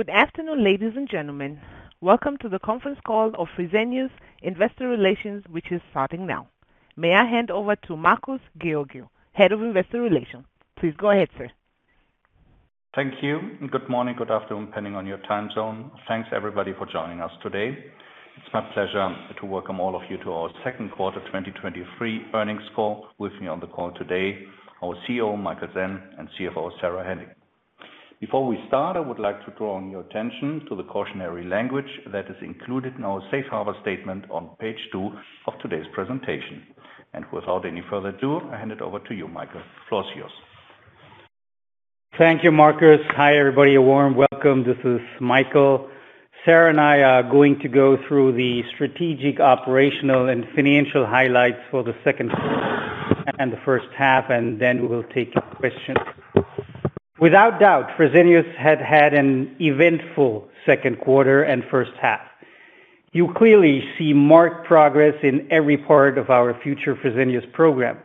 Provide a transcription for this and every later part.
Good afternoon, ladies and gentlemen. Welcome to the conference call of Fresenius Investor Relations, which is starting now. May I hand over to Markus Georgi, Head of Investor Relations. Please go ahead, sir. Thank you, good morning, good afternoon, depending on your time zone. Thanks, everybody, for joining us today. It's my pleasure to welcome all of you to our second quarter 2023 earnings call. With me on the call today, our CEO, Michael Sen, and CFO, Sara Hennicken. Before we start, I would like to draw your attention to the cautionary language that is included in our safe harbor statement on page two of today's presentation. Without any further ado, I'll hand it over to you, Michael. The floor is yours. Thank you, Markus. Hi, everybody. A warm welcome. This is Michael. Sara and I are going to go through the strategic, operational, and financial highlights for the second quarter and the first half, and then we will take your questions. Without doubt, Fresenius had had an eventful second quarter and first half. You clearly see marked progress in every part of our Future Fresenius program.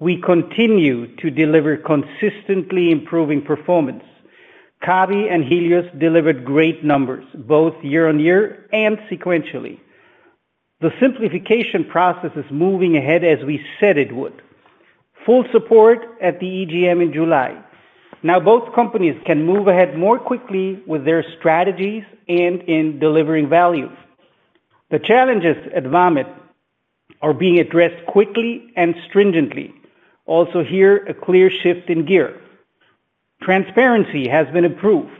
We continue to deliver consistently improving performance. Kabi and Helios delivered great numbers, both year-over-year and sequentially. The simplification process is moving ahead as we said it would. Full support at the EGM in July. Now, both companies can move ahead more quickly with their strategies and in delivering value. The challenges at Vamed are being addressed quickly and stringently. Also here, a clear shift in gear. Transparency has been improved.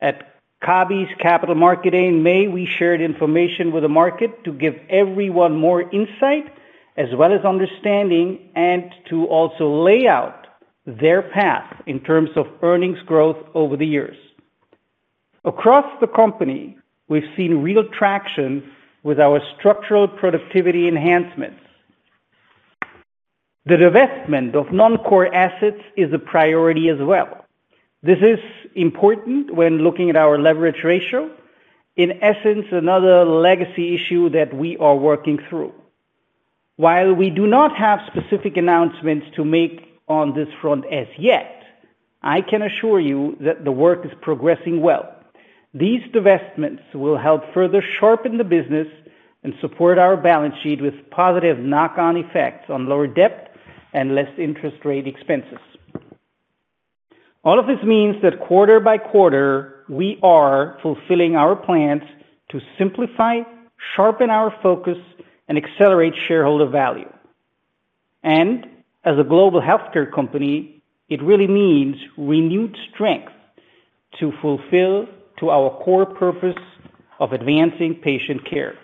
At Kabi's Capital Markets Day in May, we shared information with the market to give everyone more insight as well as understanding, and to also lay out their path in terms of earnings growth over the years. Across the company, we've seen real traction with our structural productivity enhancements. The divestment of non-core assets is a priority as well. This is important when looking at our leverage ratio. In essence, another legacy issue that we are working through. While we do not have specific announcements to make on this front as yet, I can assure you that the work is progressing well. These divestments will help further sharpen the business and support our balance sheet with positive knock-on effects on lower debt and less interest rate expenses. All of this means that quarter by quarter, we are fulfilling our plans to simplify, sharpen our focus, and accelerate shareholder value. As a global healthcare company, it really means renewed strength to fulfill to our core purpose of advancing patient care.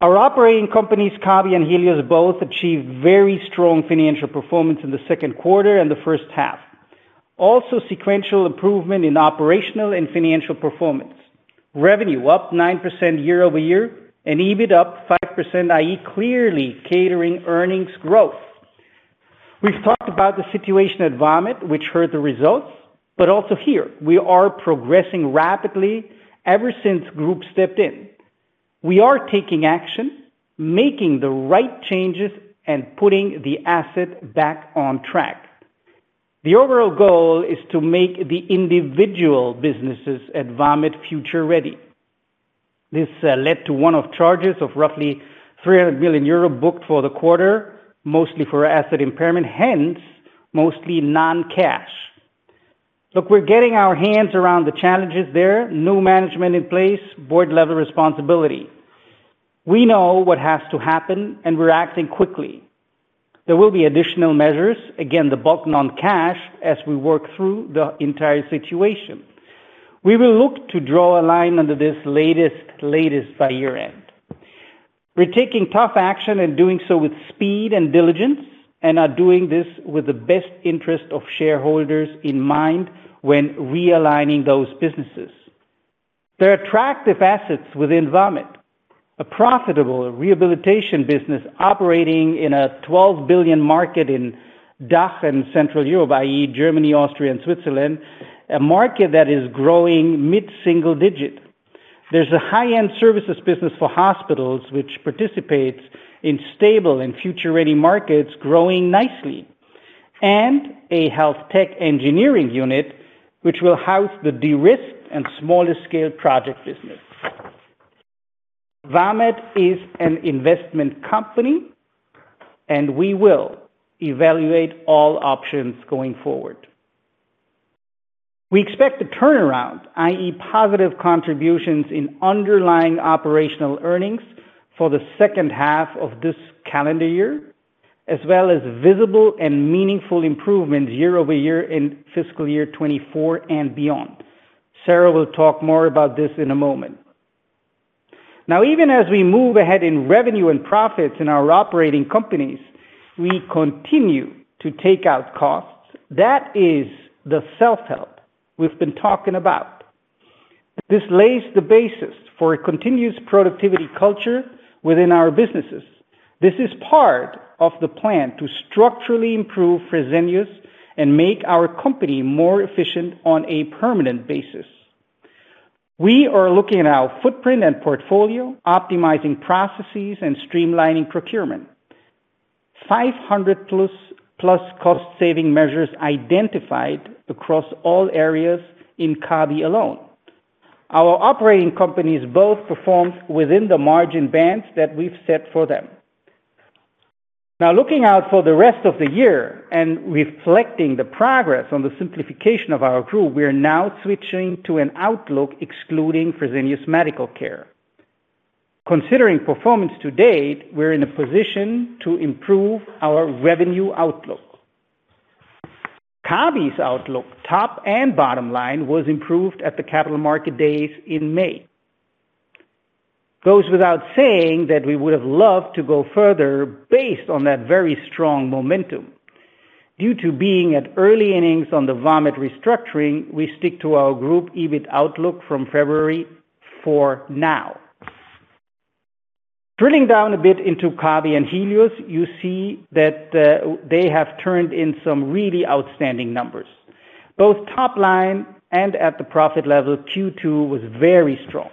Our operating companies, Kabi and Helios, both achieved very strong financial performance in the second quarter and the first half. Also, sequential improvement in operational and financial performance. Revenue up 9% year-over-year, and EBIT up 5%, i.e., clearly catering earnings growth. We've talked about the situation at VAMED, which hurt the results, but also here, we are progressing rapidly ever since group stepped in. We are taking action, making the right changes, and putting the asset back on track. The overall goal is to make the individual businesses at Vamed future-ready. This led to one of charges of roughly 300 million euro booked for the quarter, mostly for asset impairment, hence, mostly non-cash. Look, we're getting our hands around the challenges there. New management in place, board-level responsibility. We know what has to happen, and we're acting quickly. There will be additional measures, again, the bulk non-cash, as we work through the entire situation. We will look to draw a line under this latest, latest by year-end. We're taking tough action and doing so with speed and diligence, and are doing this with the best interest of shareholders in mind when realigning those businesses. There are attractive assets within Vamed, a profitable rehabilitation business operating in a 12 billion market in DACH and Central Europe, i.e., Germany, Austria, and Switzerland, a market that is growing mid-single-digit. There's a high-end services business for hospitals, which participates in stable and future-ready markets, growing nicely, and a health tech engineering unit, which will house the de-risked and smaller-scale project business. Vamed is an investment company, and we will evaluate all options going forward. We expect a turnaround, i.e., positive contributions in underlying operational earnings for the second half of this calendar year, as well as visible and meaningful improvements year-over-year in fiscal year 2024 and beyond. Sara will talk more about this in a moment. Now, even as we move ahead in revenue and profits in our operating companies, we continue to take out costs. That is the self-help we've been talking about. This lays the basis for a continuous productivity culture within our businesses. This is part of the plan to structurally improve Fresenius and make our company more efficient on a permanent basis. We are looking at our footprint and portfolio, optimizing processes, and streamlining procurement. 500+ cost saving measures identified across all areas in Kabi alone. Our operating companies both performed within the margin bands that we've set for them. Now, looking out for the rest of the year and reflecting the progress on the simplification of our group, we are now switching to an outlook excluding Fresenius Medical Care. Considering performance to date, we're in a position to improve our revenue outlook. Kabi's outlook, top and bottom line, was improved at the Capital Markets Day in May. Goes without saying that we would have loved to go further based on that very strong momentum. Due to being at early innings on the Vamed restructuring, we stick to our group EBIT outlook from February for now. Drilling down a bit into Kabi and Helios, you see that they have turned in some really outstanding numbers. Both top line and at the profit level, Q2 was very strong.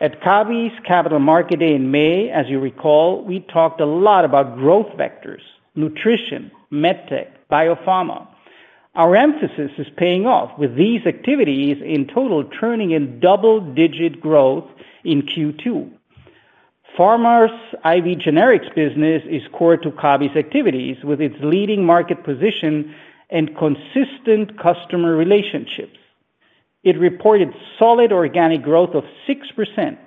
At Kabi's Capital Markets Day in May, as you recall, we talked a lot about growth vectors, nutrition, MedTech, biopharma. Our emphasis is paying off with these activities in total, turning in double-digit growth in Q2. Pharma's IV generics business is core to Kabi's activities, with its leading market position and consistent customer relationships. It reported solid organic growth of 6%.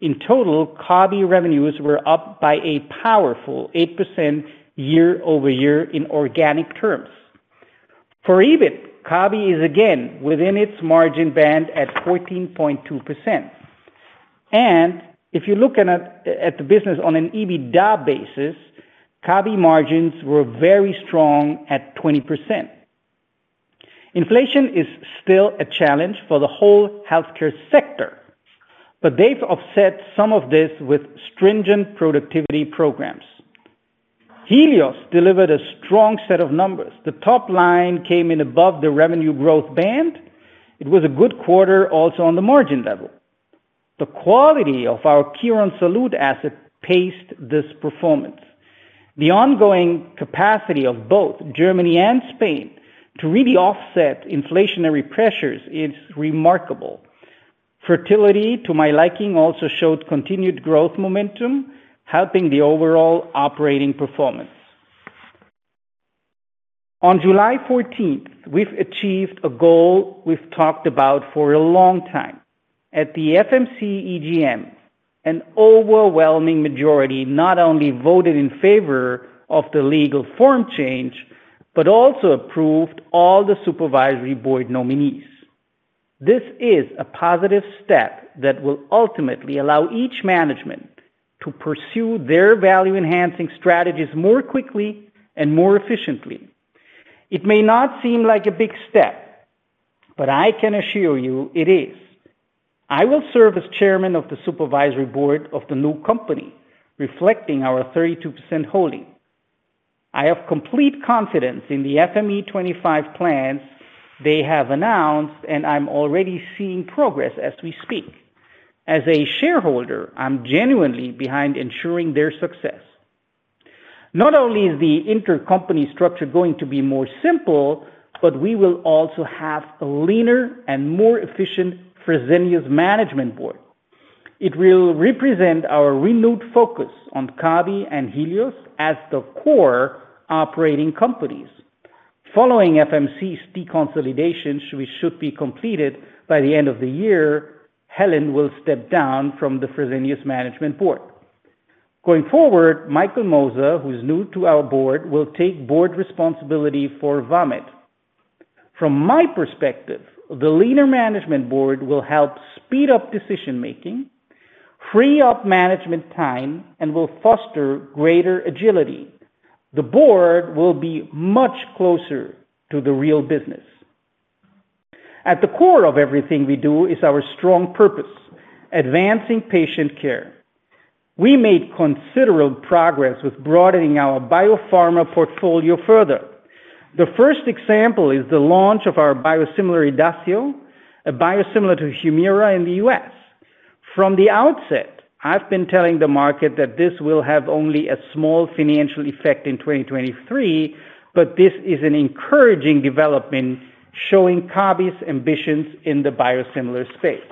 In total, Kabi revenues were up by a powerful 8% year-over-year in organic terms. For EBIT, Kabi is again within its margin band at 14.2%. If you're looking at, at the business on an EBITDA basis, Kabi margins were very strong at 20%. Inflation is still a challenge for the whole healthcare sector, but they've offset some of this with stringent productivity programs. Helios delivered a strong set of numbers. The top line came in above the revenue growth band. It was a good quarter also on the margin level. The quality of our Quirónsalud asset paced this performance. The ongoing capacity of both Germany and Spain to really offset inflationary pressures is remarkable. Fertility, to my liking, also showed continued growth momentum, helping the overall operating performance. On July 14th, we've achieved a goal we've talked about for a long time. At the FMC EGM, an overwhelming majority not only voted in favor of the legal form change, but also approved all the supervisory board nominees. This is a positive step that will ultimately allow each management to pursue their value-enhancing strategies more quickly and more efficiently. It may not seem like a big step, but I can assure you it is. I will serve as chairman of the supervisory board of the new company, reflecting our 32% holding. I have complete confidence in the FME25 plans they have announced, and I'm already seeing progress as we speak. As a shareholder, I'm genuinely behind ensuring their success. Not only is the intercompany structure going to be more simple, but we will also have a leaner and more efficient Fresenius Management Board. It will represent our renewed focus on Kabi and Helios as the core operating companies. Following FMC's deconsolidation, which should be completed by the end of the year, Helen will step down from the Fresenius Management Board. Going forward, Michael Moser, who is new to our board, will take board responsibility for Vamed. From my perspective, the leaner management board will help speed up decision making, free up management time, and will foster greater agility. The board will be much closer to the real business. At the core of everything we do is our strong purpose: advancing patient care. We made considerable progress with broadening our biopharma portfolio further. The first example is the launch of our biosimilar, Idacio, a biosimilar to Humira in the U.S. From the outset, I've been telling the market that this will have only a small financial effect in 2023, but this is an encouraging development, showing Kabi's ambitions in the biosimilar space.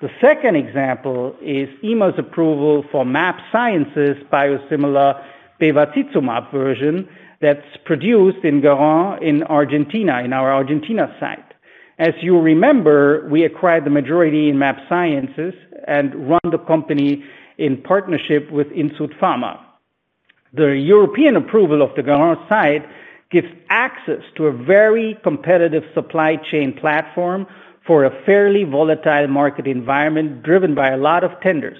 The second example is EMA's approval for mAbxience's biosimilar bevacizumab version that's produced in Garín in Argentina, in our Argentina site. As you remember, we acquired the majority in mAbxience and run the company in partnership with Insud Pharma. The European approval of the Garín site gives access to a very competitive supply chain platform for a fairly volatile market environment driven by a lot of tenders.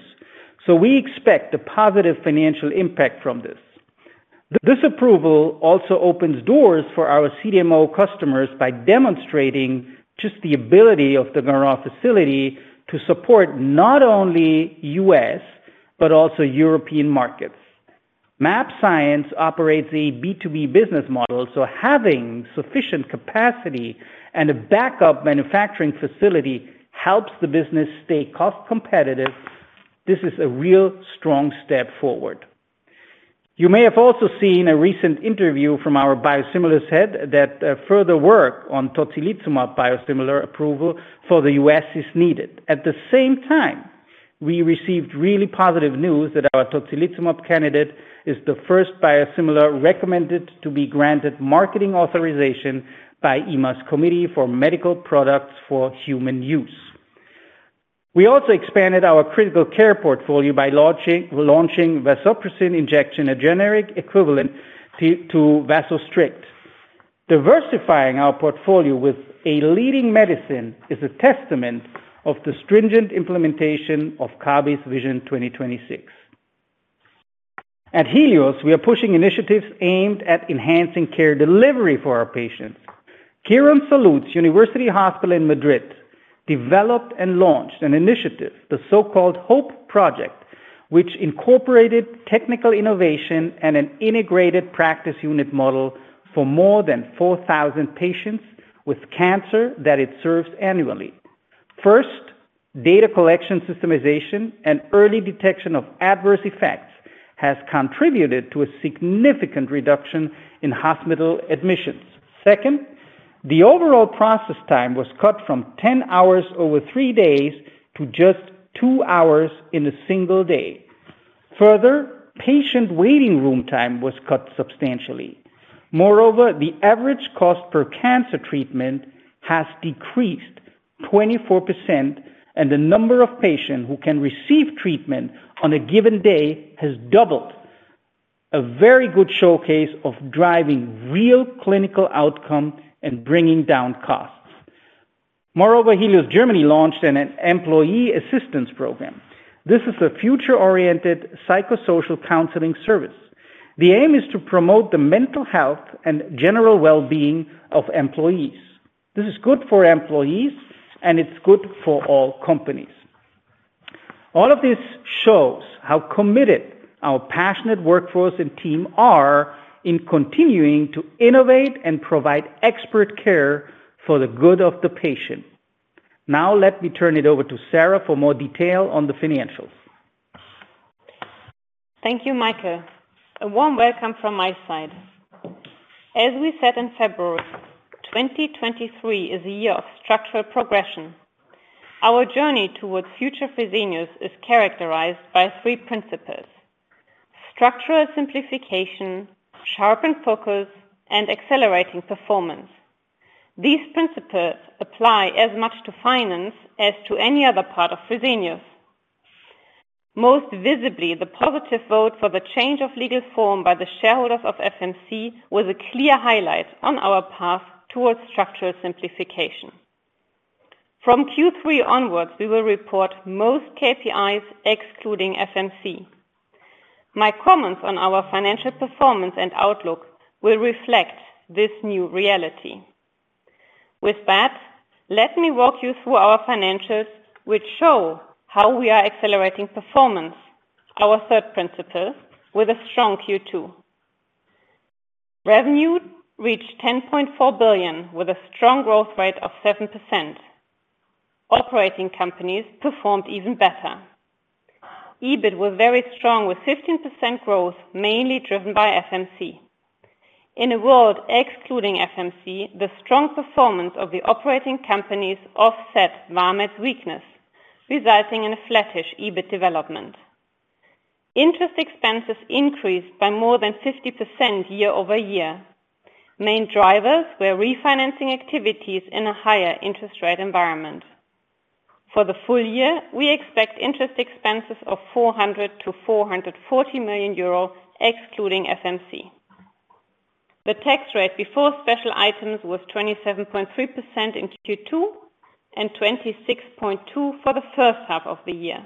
We expect a positive financial impact from this. This approval also opens doors for our CDMO customers by demonstrating just the ability of the Garín facility to support not only U.S., but also European markets. mAbxience operates a B2B business model, so having sufficient capacity and a backup manufacturing facility helps the business stay cost competitive. This is a real strong step forward. You may have also seen a recent interview from our biosimilars head that further work on Tocilizumab biosimilar approval for the U.S. is needed. At the same time, we received really positive news that our Tocilizumab candidate is the first biosimilar recommended to be granted marketing authorization by EMA's Committee for Medical Products for Human Use. We also expanded our critical care portfolio by launching, launching vasopressin injection, a generic equivalent to, to Vasostrict. Diversifying our portfolio with a leading medicine is a testament of the stringent implementation of Kabi's Vision 2026. At Helios, we are pushing initiatives aimed at enhancing care delivery for our patients. Quirónsalud, University Hospital in Madrid, developed and launched an initiative, the so-called HOPE project, which incorporated technical innovation and an integrated practice unit model for more than 4,000 patients with cancer that it serves annually. First, data collection, systemization, and early detection of adverse effects has contributed to a significant reduction in hospital admissions. Second, the overall process time was cut from 10 hours over three days to just two hours in a single day. Further, patient waiting room time was cut substantially. Moreover, the average cost per cancer treatment has decreased 24%, and the number of patients who can receive treatment on a given day has doubled. A very good showcase of driving real clinical outcome and bringing down costs. Moreover, Helios Germany launched an employee assistance program. This is a future-oriented psychosocial counseling service. The aim is to promote the mental health and general well-being of employees. This is good for employees, and it's good for all companies. All of this shows how committed our passionate workforce and team are in continuing to innovate and provide expert care for the good of the patient. Let me turn it over to Sara for more detail on the financials. Thank you, Michael. A warm welcome from my side. As we said in February, 2023 is a year of structural progression. Our journey towards Future Fresenius is characterized by three principles: structural simplification, sharpened focus, and accelerating performance. These principles apply as much to finance as to any other part of Fresenius. Most visibly, the positive vote for the change of legal form by the shareholders of FMC was a clear highlight on our path towards structural simplification. From Q3 onwards, we will report most KPIs excluding FMC. My comments on our financial performance and outlook will reflect this new reality. With that, let me walk you through our financials, which show how we are accelerating performance, our third principle, with a strong Q2. Revenue reached EUR 10.4 billion, with a strong growth rate of 7%. Operating companies performed even better. EBIT was very strong, with 15% growth, mainly driven by FMC. In a world excluding FMC, the strong performance of the operating companies offset Vamed's weakness, resulting in a flattish EBIT development. Interest expenses increased by more than 50% year-over-year. Main drivers were refinancing activities in a higher interest rate environment. For the full year, we expect interest expenses of 400 million-440 million euro, excluding FMC. The tax rate before special items was 27.3% in Q2 and 26.2% for the first half of the year.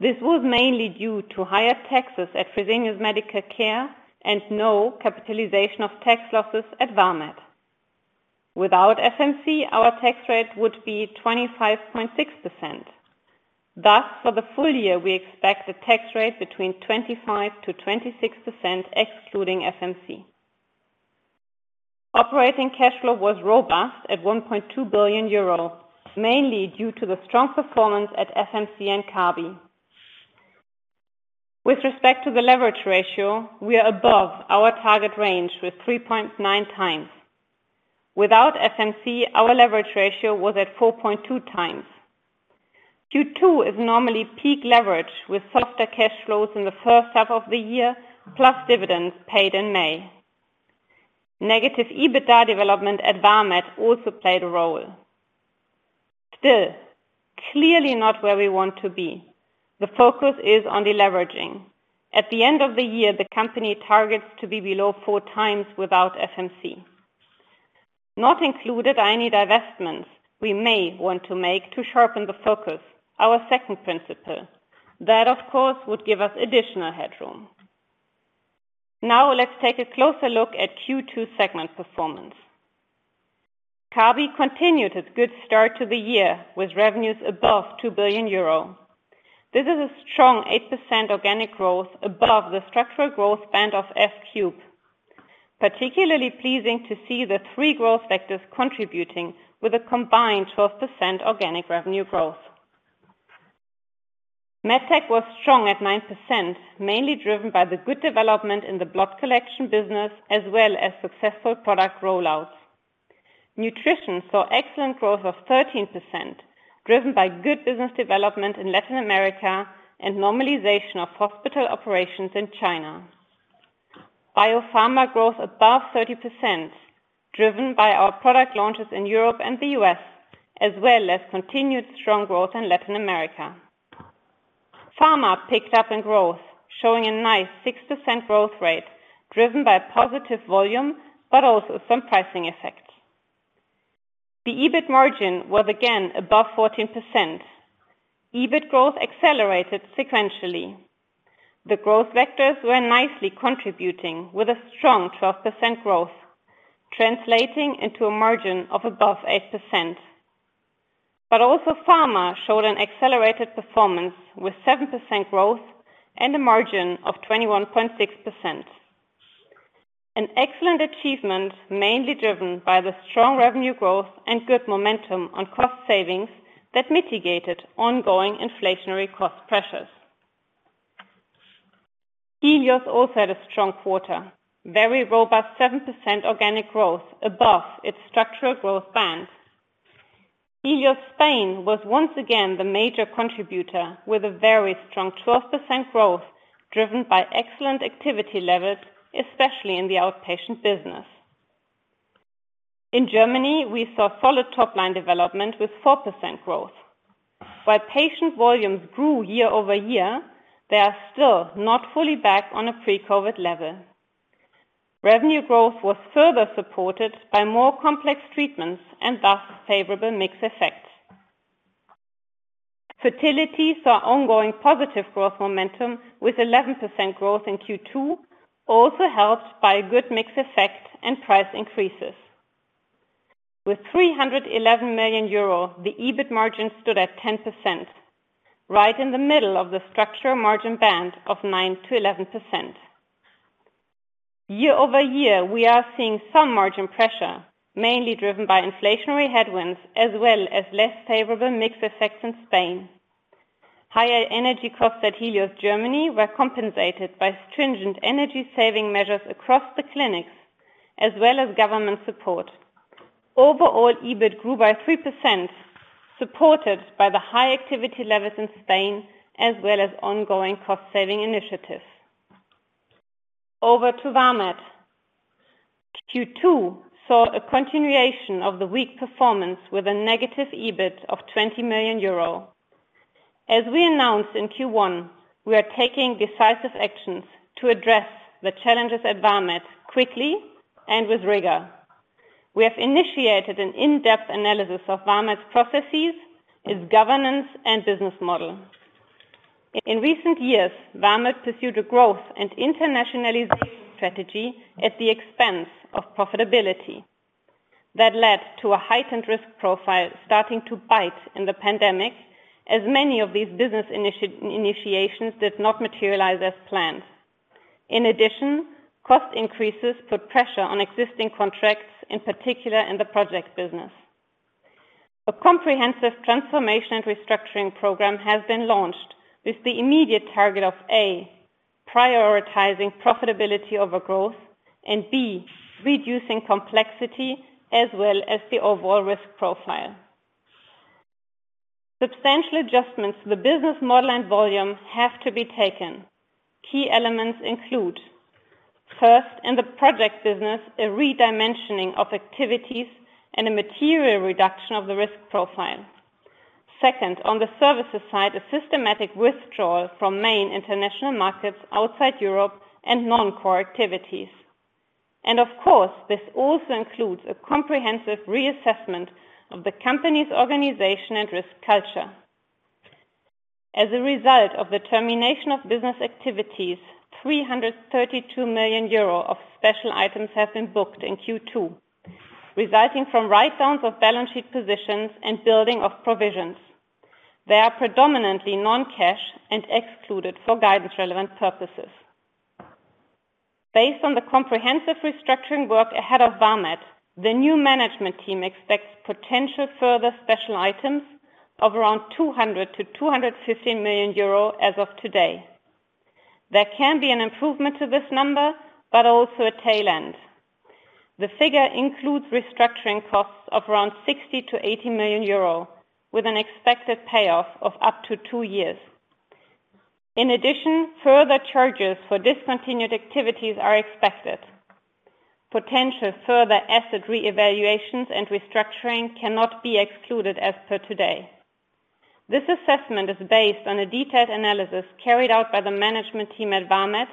This was mainly due to higher taxes at Fresenius Medical Care and no capitalization of tax losses at Vamed. Without FMC, our tax rate would be 25.6%. Thus, for the full year, we expect the tax rate between 25%-26%, excluding FMC. Operating cash flow was robust at 1.2 billion euros, mainly due to the strong performance at FMC and Kabi. With respect to the leverage ratio, we are above our target range with 3.9 times. Without FMC, our leverage ratio was at 4.2 times. Q2 is normally peak leverage, with softer cash flows in the first half of the year, plus dividends paid in May. Negative EBITDA development at Vamed also played a role. Still, clearly not where we want to be. The focus is on deleveraging. At the end of the year, the company targets to be below 4 times without FMC. Not included are any divestments we may want to make to sharpen the focus, our second principle. That, of course, would give us additional headroom. Now, let's take a closer look at Q2 segment performance. Kabi continued its good start to the year with revenues above 2 billion euro. This is a strong 8% organic growth above the structural growth band of F3. Particularly pleasing to see the three growth vectors contributing with a combined 12% organic revenue growth. MedTech was strong at 9%, mainly driven by the good development in the blood collection business, as well as successful product rollouts. Nutrition saw excellent growth of 13%, driven by good business development in Latin America and normalization of hospital operations in China. Biopharma growth above 30%, driven by our product launches in Europe and the U.S., as well as continued strong growth in Latin America. Pharma picked up in growth, showing a nice 6% growth rate, driven by positive volume, but also some pricing effects. The EBIT margin was again above 14%. EBIT growth accelerated sequentially. The growth vectors were nicely contributing with a strong 12% growth, translating into a margin of above 8%. Also, Pharma showed an accelerated performance with 7% growth and a margin of 21.6%. An excellent achievement, mainly driven by the strong revenue growth and good momentum on cost savings that mitigated ongoing inflationary cost pressures. Helios also had a strong quarter, very robust 7% organic growth above its structural growth band. Helios Spain was once again the major contributor with a very strong 12% growth, driven by excellent activity levels, especially in the outpatient business. In Germany, we saw solid top-line development with 4% growth. While patient volumes grew year-over-year, they are still not fully back on a pre-COVID level. Revenue growth was further supported by more complex treatments and thus favorable mix effects. Fertility saw ongoing positive growth momentum, with 11% growth in Q2, also helped by a good mix effect and price increases. With 311 million euro, the EBIT margin stood at 10%, right in the middle of the structural margin band of 9%-11%. Year-over-year, we are seeing some margin pressure, mainly driven by inflationary headwinds as well as less favorable mix effects in Spain. Higher energy costs at Helios Germany were compensated by stringent energy saving measures across the clinics, as well as government support. Overall, EBIT grew by 3%, supported by the high activity levels in Spain, as well as ongoing cost-saving initiatives. Over to Vamed. Q2 saw a continuation of the weak performance with a negative EBIT of 20 million euro. As we announced in Q1, we are taking decisive actions to address the challenges at Vamed quickly and with rigor. We have initiated an in-depth analysis of Vamed's processes, its governance, and business model. In recent years, Vamed pursued a growth and internationalization strategy at the expense of profitability. That led to a heightened risk profile starting to bite in the pandemic, as many of these business initiations did not materialize as planned. In addition, cost increases put pressure on existing contracts, in particular in the project business. A comprehensive transformation and restructuring program has been launched with the immediate target of, A, prioritizing profitability over growth, and B, reducing complexity as well as the overall risk profile. Substantial adjustments to the business model and volumes have to be taken. Key elements include: first, in the project business, a redimensioning of activities and a material reduction of the risk profile. Second, on the services side, a systematic withdrawal from main international markets outside Europe and non-core activities. Of course, this also includes a comprehensive reassessment of the company's organization and risk culture. As a result of the termination of business activities, 332 million euro of special items have been booked in Q2, resulting from write-downs of balance sheet positions and building of provisions. They are predominantly non-cash and excluded for guidance-relevant purposes. Based on the comprehensive restructuring work ahead of Vamed, the new management team expects potential further special items of around 200 million-250 million euro as of today. There can be an improvement to this number, but also a tail end. The figure includes restructuring costs of around 60 million-80 million euro, with an expected payoff of up to two years. In addition, further charges for discontinued activities are expected. Potential further asset reevaluations and restructuring cannot be excluded as per today. This assessment is based on a detailed analysis carried out by the management team at Vamed,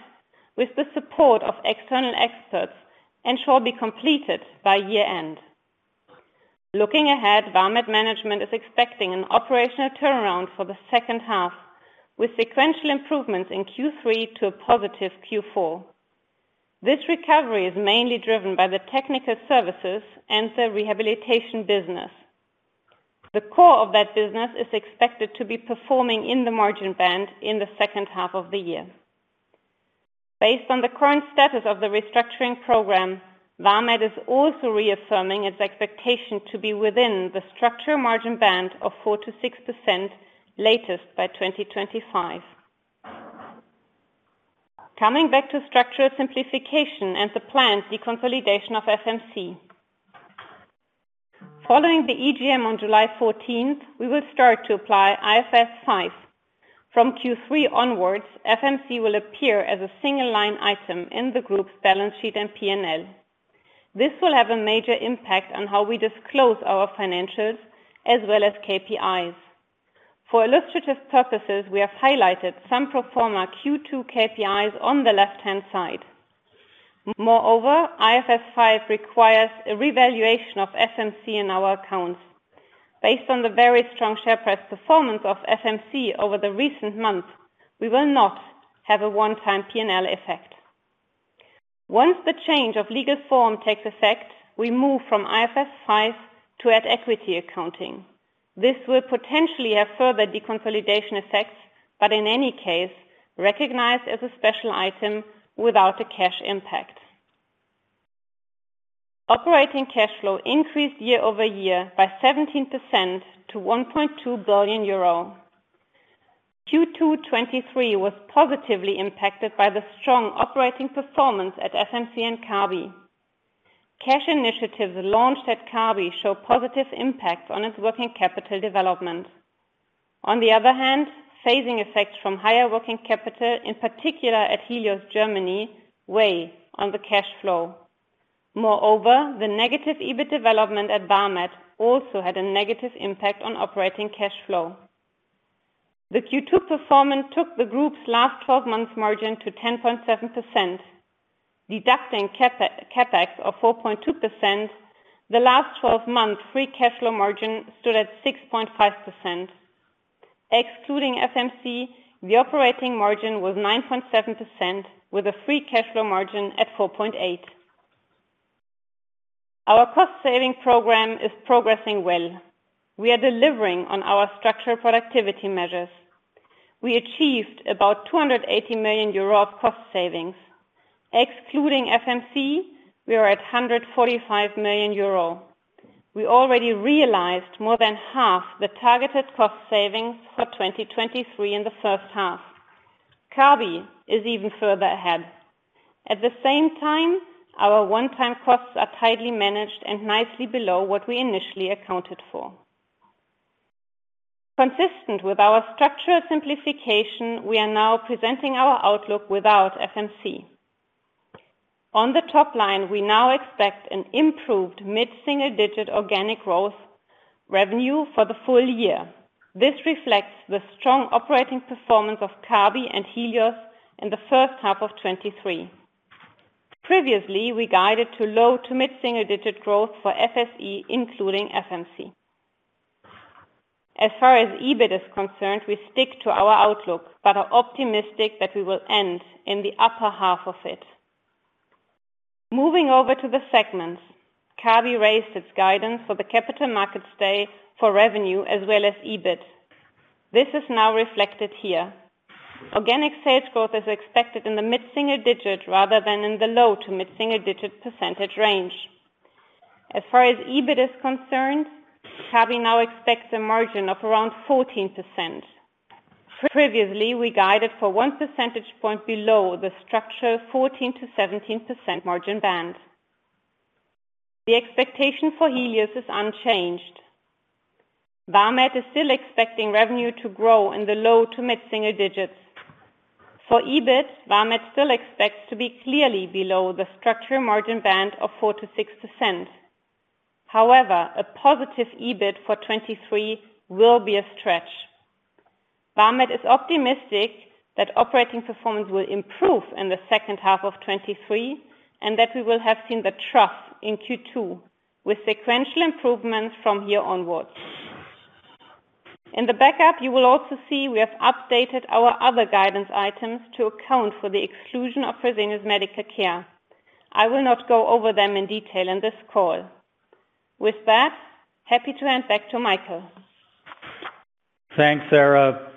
with the support of external experts, and shall be completed by year-end. Looking ahead, Vamed management is expecting an operational turnaround for the second half, with sequential improvements in Q3 to a positive Q4. This recovery is mainly driven by the technical services and the rehabilitation business. The core of that business is expected to be performing in the margin band in the second half of the year. Based on the current status of the restructuring program, Vamed is also reaffirming its expectation to be within the structural margin band of 4%-6%, latest by 2025. Coming back to structural simplification and the planned deconsolidation of FMC. Following the EGM on July 14th, we will start to apply IFRS 5. From Q3 onwards, FMC will appear as a single line item in the group's balance sheet and P&L. This will have a major impact on how we disclose our financials as well as KPIs. For illustrative purposes, we have highlighted some pro forma Q2 KPIs on the left-hand side. Moreover, IFRS 5 requires a revaluation of FMC in our accounts. Based on the very strong share price performance of FMC over the recent months, we will not have a one-time P&L effect. Once the change of legal form takes effect, we move from IFRS 5 to add equity accounting. This will potentially have further deconsolidation effects, but in any case, recognized as a special item without a cash impact. Operating cash flow increased year-over-year by 17% to 1.2 billion euro. Q2 2023 was positively impacted by the strong operating performance at FMC and Kabi. Cash initiatives launched at Kabi show positive impact on its working capital development. On the other hand, phasing effects from higher working capital, in particular at Helios Germany, weigh on the cash flow. Moreover, the negative EBIT development at Vamed also had a negative impact on operating cash flow. The Q2 performance took the group's last 12 months margin to 10.7%, deducting CapEx, CapEx of 4.2%, the last twelve months free cash flow margin stood at 6.5%. Excluding FMC, the operating margin was 9.7%, with a free cash flow margin at 4.8%. Our cost saving program is progressing well. We are delivering on our structural productivity measures. We achieved about 280 million euro of cost savings. Excluding FMC, we are at 145 million euro. We already realized more than half the targeted cost savings for 2023 in the first half. Kabi is even further ahead. At the same time, our one-time costs are tightly managed and nicely below what we initially accounted for. Consistent with our structural simplification, we are now presenting our outlook without FMC. On the top line, we now expect an improved mid-single-digit organic growth revenue for the full year. This reflects the strong operating performance of Kabi and Helios in the first half of 2023. Previously, we guided to low to mid-single-digit growth for FSE, including FMC. As far as EBIT is concerned, we stick to our outlook, but are optimistic that we will end in the upper half of it. Moving over to the segments, Kabi raised its guidance for the Capital Markets Day for revenue as well as EBIT. This is now reflected here. Organic sales growth is expected in the mid-single-digit rather than in the low to mid-single-digit percentage range. As far as EBIT is concerned, Kabi now expects a margin of around 14%. Previously, we guided for 1 percentage point below the structural 14%-17% margin band. The expectation for Helios is unchanged. Vamed is still expecting revenue to grow in the low to mid-single digits. For EBIT, Vamed still expects to be clearly below the structural margin band of 4%-6%. However, a positive EBIT for 2023 will be a stretch. Vamed is optimistic that operating performance will improve in the second half of 2023, and that we will have seen the trough in Q2, with sequential improvements from here onwards. In the backup, you will also see we have updated our other guidance items to account for the exclusion of Fresenius Medical Care. I will not go over them in detail in this call. With that, happy to hand back to Michael. Thanks, Sara.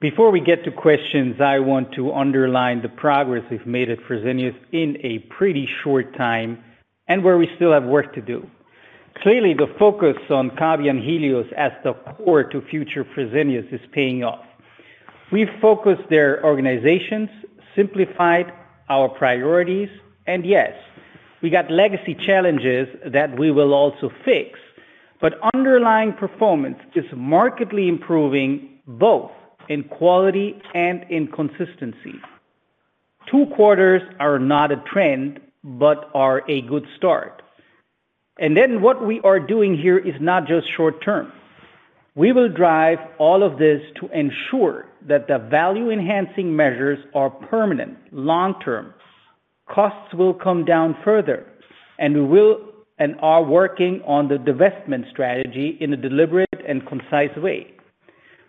Before we get to questions, I want to underline the progress we've made at Fresenius in a pretty short time and where we still have work to do. Clearly, the focus on Kabi and Helios as the core to #FutureFresenius is paying off. We've focused their organizations, simplified our priorities, yes, we got legacy challenges that we will also fix, but underlying performance is markedly improving both in quality and in consistency. Two quarters are not a trend, but are a good start. What we are doing here is not just short term. We will drive all of this to ensure that the value-enhancing measures are permanent, long-term. Costs will come down further, we will and are working on the divestment strategy in a deliberate and concise way.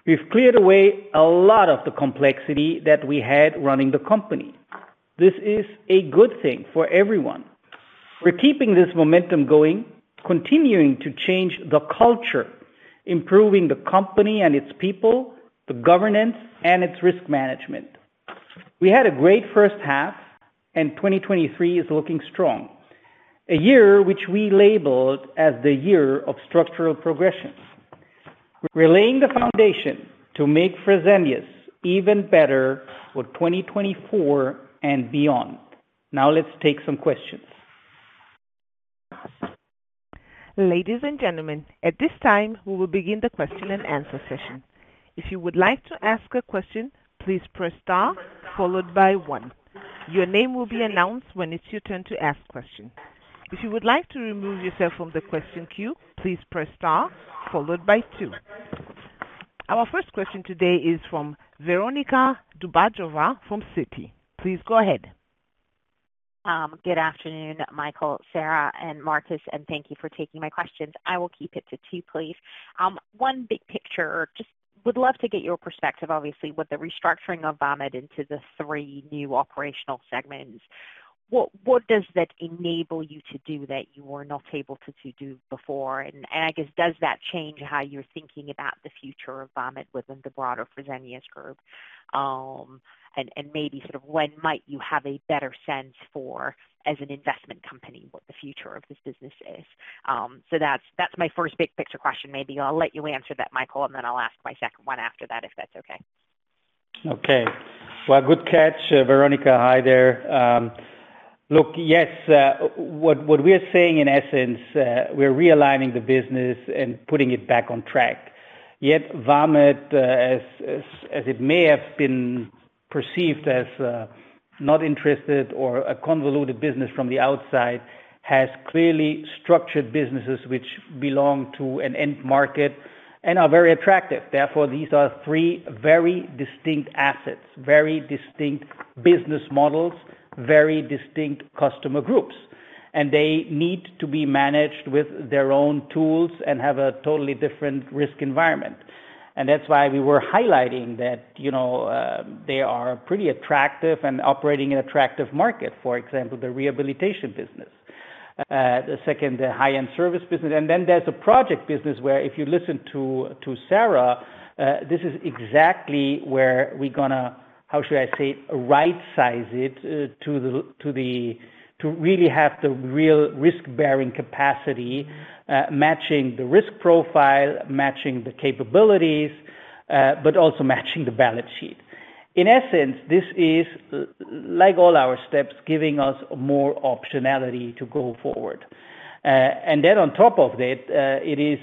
We've cleared away a lot of the complexity that we had running the company. This is a good thing for everyone. We're keeping this momentum going, continuing to change the culture, improving the company and its people, the governance and its risk management. We had a great first half. 2023 is looking strong. A year, which we labeled as the year of structural progressions. Relaying the foundation to make Fresenius even better for 2024 and beyond. Now let's take some questions. Ladies and gentlemen, at this time, we will begin the question and answer session. If you would like to ask a question, please press star followed by one. Your name will be announced when it's your turn to ask questions. If you would like to remove yourself from the question queue, please press star followed by two. Our first question today is from Veronika Dubajova from Citi. Please go ahead. Good afternoon, Michael, Sara, and Markus. Thank you for taking my questions. I will keep it to two, please. One big picture, just would love to get your perspective, obviously, with the restructuring of Vamed into the three new operational segments. What, what does that enable you to do that you were not able to, to do before? I guess, does that change how you're thinking about the future of Vamed within the broader Fresenius group? Maybe sort of when might you have a better sense for, as an investment company, what the future of this business is? So that's, that's my first big picture question maybe I'll let you answer that, Michael, and then I'll ask my second one after that, if that's okay? Okay. Well, good catch, Veronika. Hi there. Look, yes, what, what we are saying in essence, we're realigning the business and putting it back on track. Yet, Vamed, as, as, as it may have been perceived as not interested or a convoluted business from the outside, has clearly structured businesses which belong to an end market and are very attractive. These are three very distinct assets, very distinct business models, very distinct customer groups, and they need to be managed with their own tools and have a totally different risk environment. That's why we were highlighting that, you know, they are pretty attractive and operating in an attractive market, for example, the rehabilitation business. The second, the high-end service business, then there's a project business where if you listen to, to Sara, this is exactly where we're gonna, how should I say, right-size it, to the real risk-bearing capacity, matching the risk profile, matching the capabilities, but also matching the balance sheet. In essence, this is, like all our steps, giving us more optionality to go forward. Then on top of that, it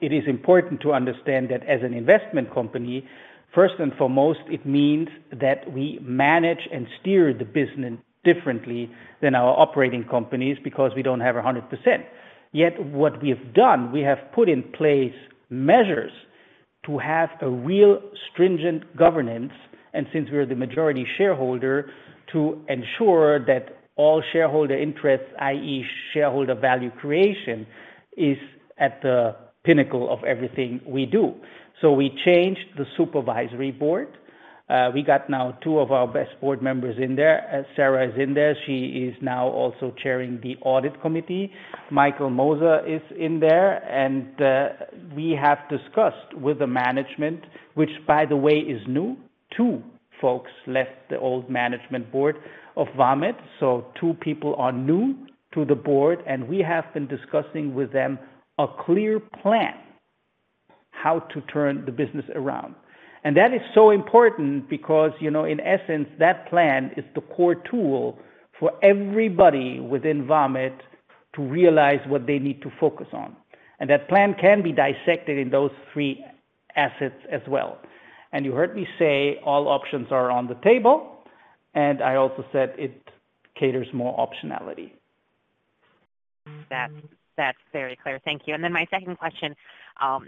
is important to understand that as an investment company, first and foremost, it means that we manage and steer the business differently than our operating companies because we don't have a hundred percent. What we have done, we have put in place measures to have a real stringent governance, and since we are the majority shareholder, to ensure that all shareholder interests, i.e., shareholder value creation, is at the pinnacle of everything we do. We changed the supervisory board. We got now two of our best board members in there. As Sara is in there, she is now also chairing the audit committee. Michael Moser is in there, and we have discussed with the management, which by the way, is new. Two folks left the old management board of Vamed, so two people are new to the board, and we have been discussing with them a clear plan, how to turn the business around. That is so important because, you know, in essence, that plan is the core tool for everybody within Vamed to realize what they need to focus on. That plan can be dissected in those three assets as well. You heard me say all options are on the table, and I also said it caters more optionality. That's, that's very clear. Thank you. Then my second question,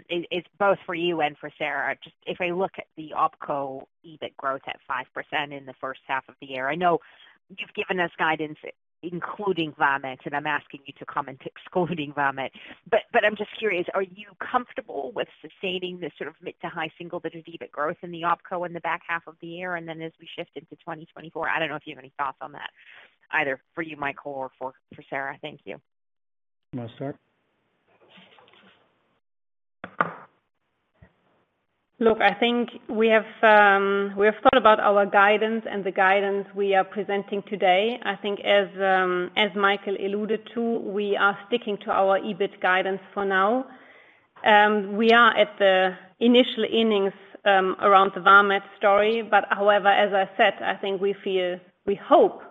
is, is both for you and for Sara. Just if I look at the Opco EBIT growth at 5% in the first half of the year. I know you've given us guidance, including Vamed, and I'm asking you to comment excluding Vamed. But, but I'm just curious, are you comfortable with sustaining this sort of mid to high single-digit EBIT growth in the Opco in the back half of the year, and then as we shift into 2024? I don't know if you have any thoughts on that, either for you, Michael Sen, or for, for Sara. Thank you. You want to start? Look, I think we have, we have thought about our guidance and the guidance we are presenting today. I think as, as Michael alluded to, we are sticking to our EBIT guidance for now. We are at the initial innings, around the Vamed story, however, as I said, I think we feel. We hope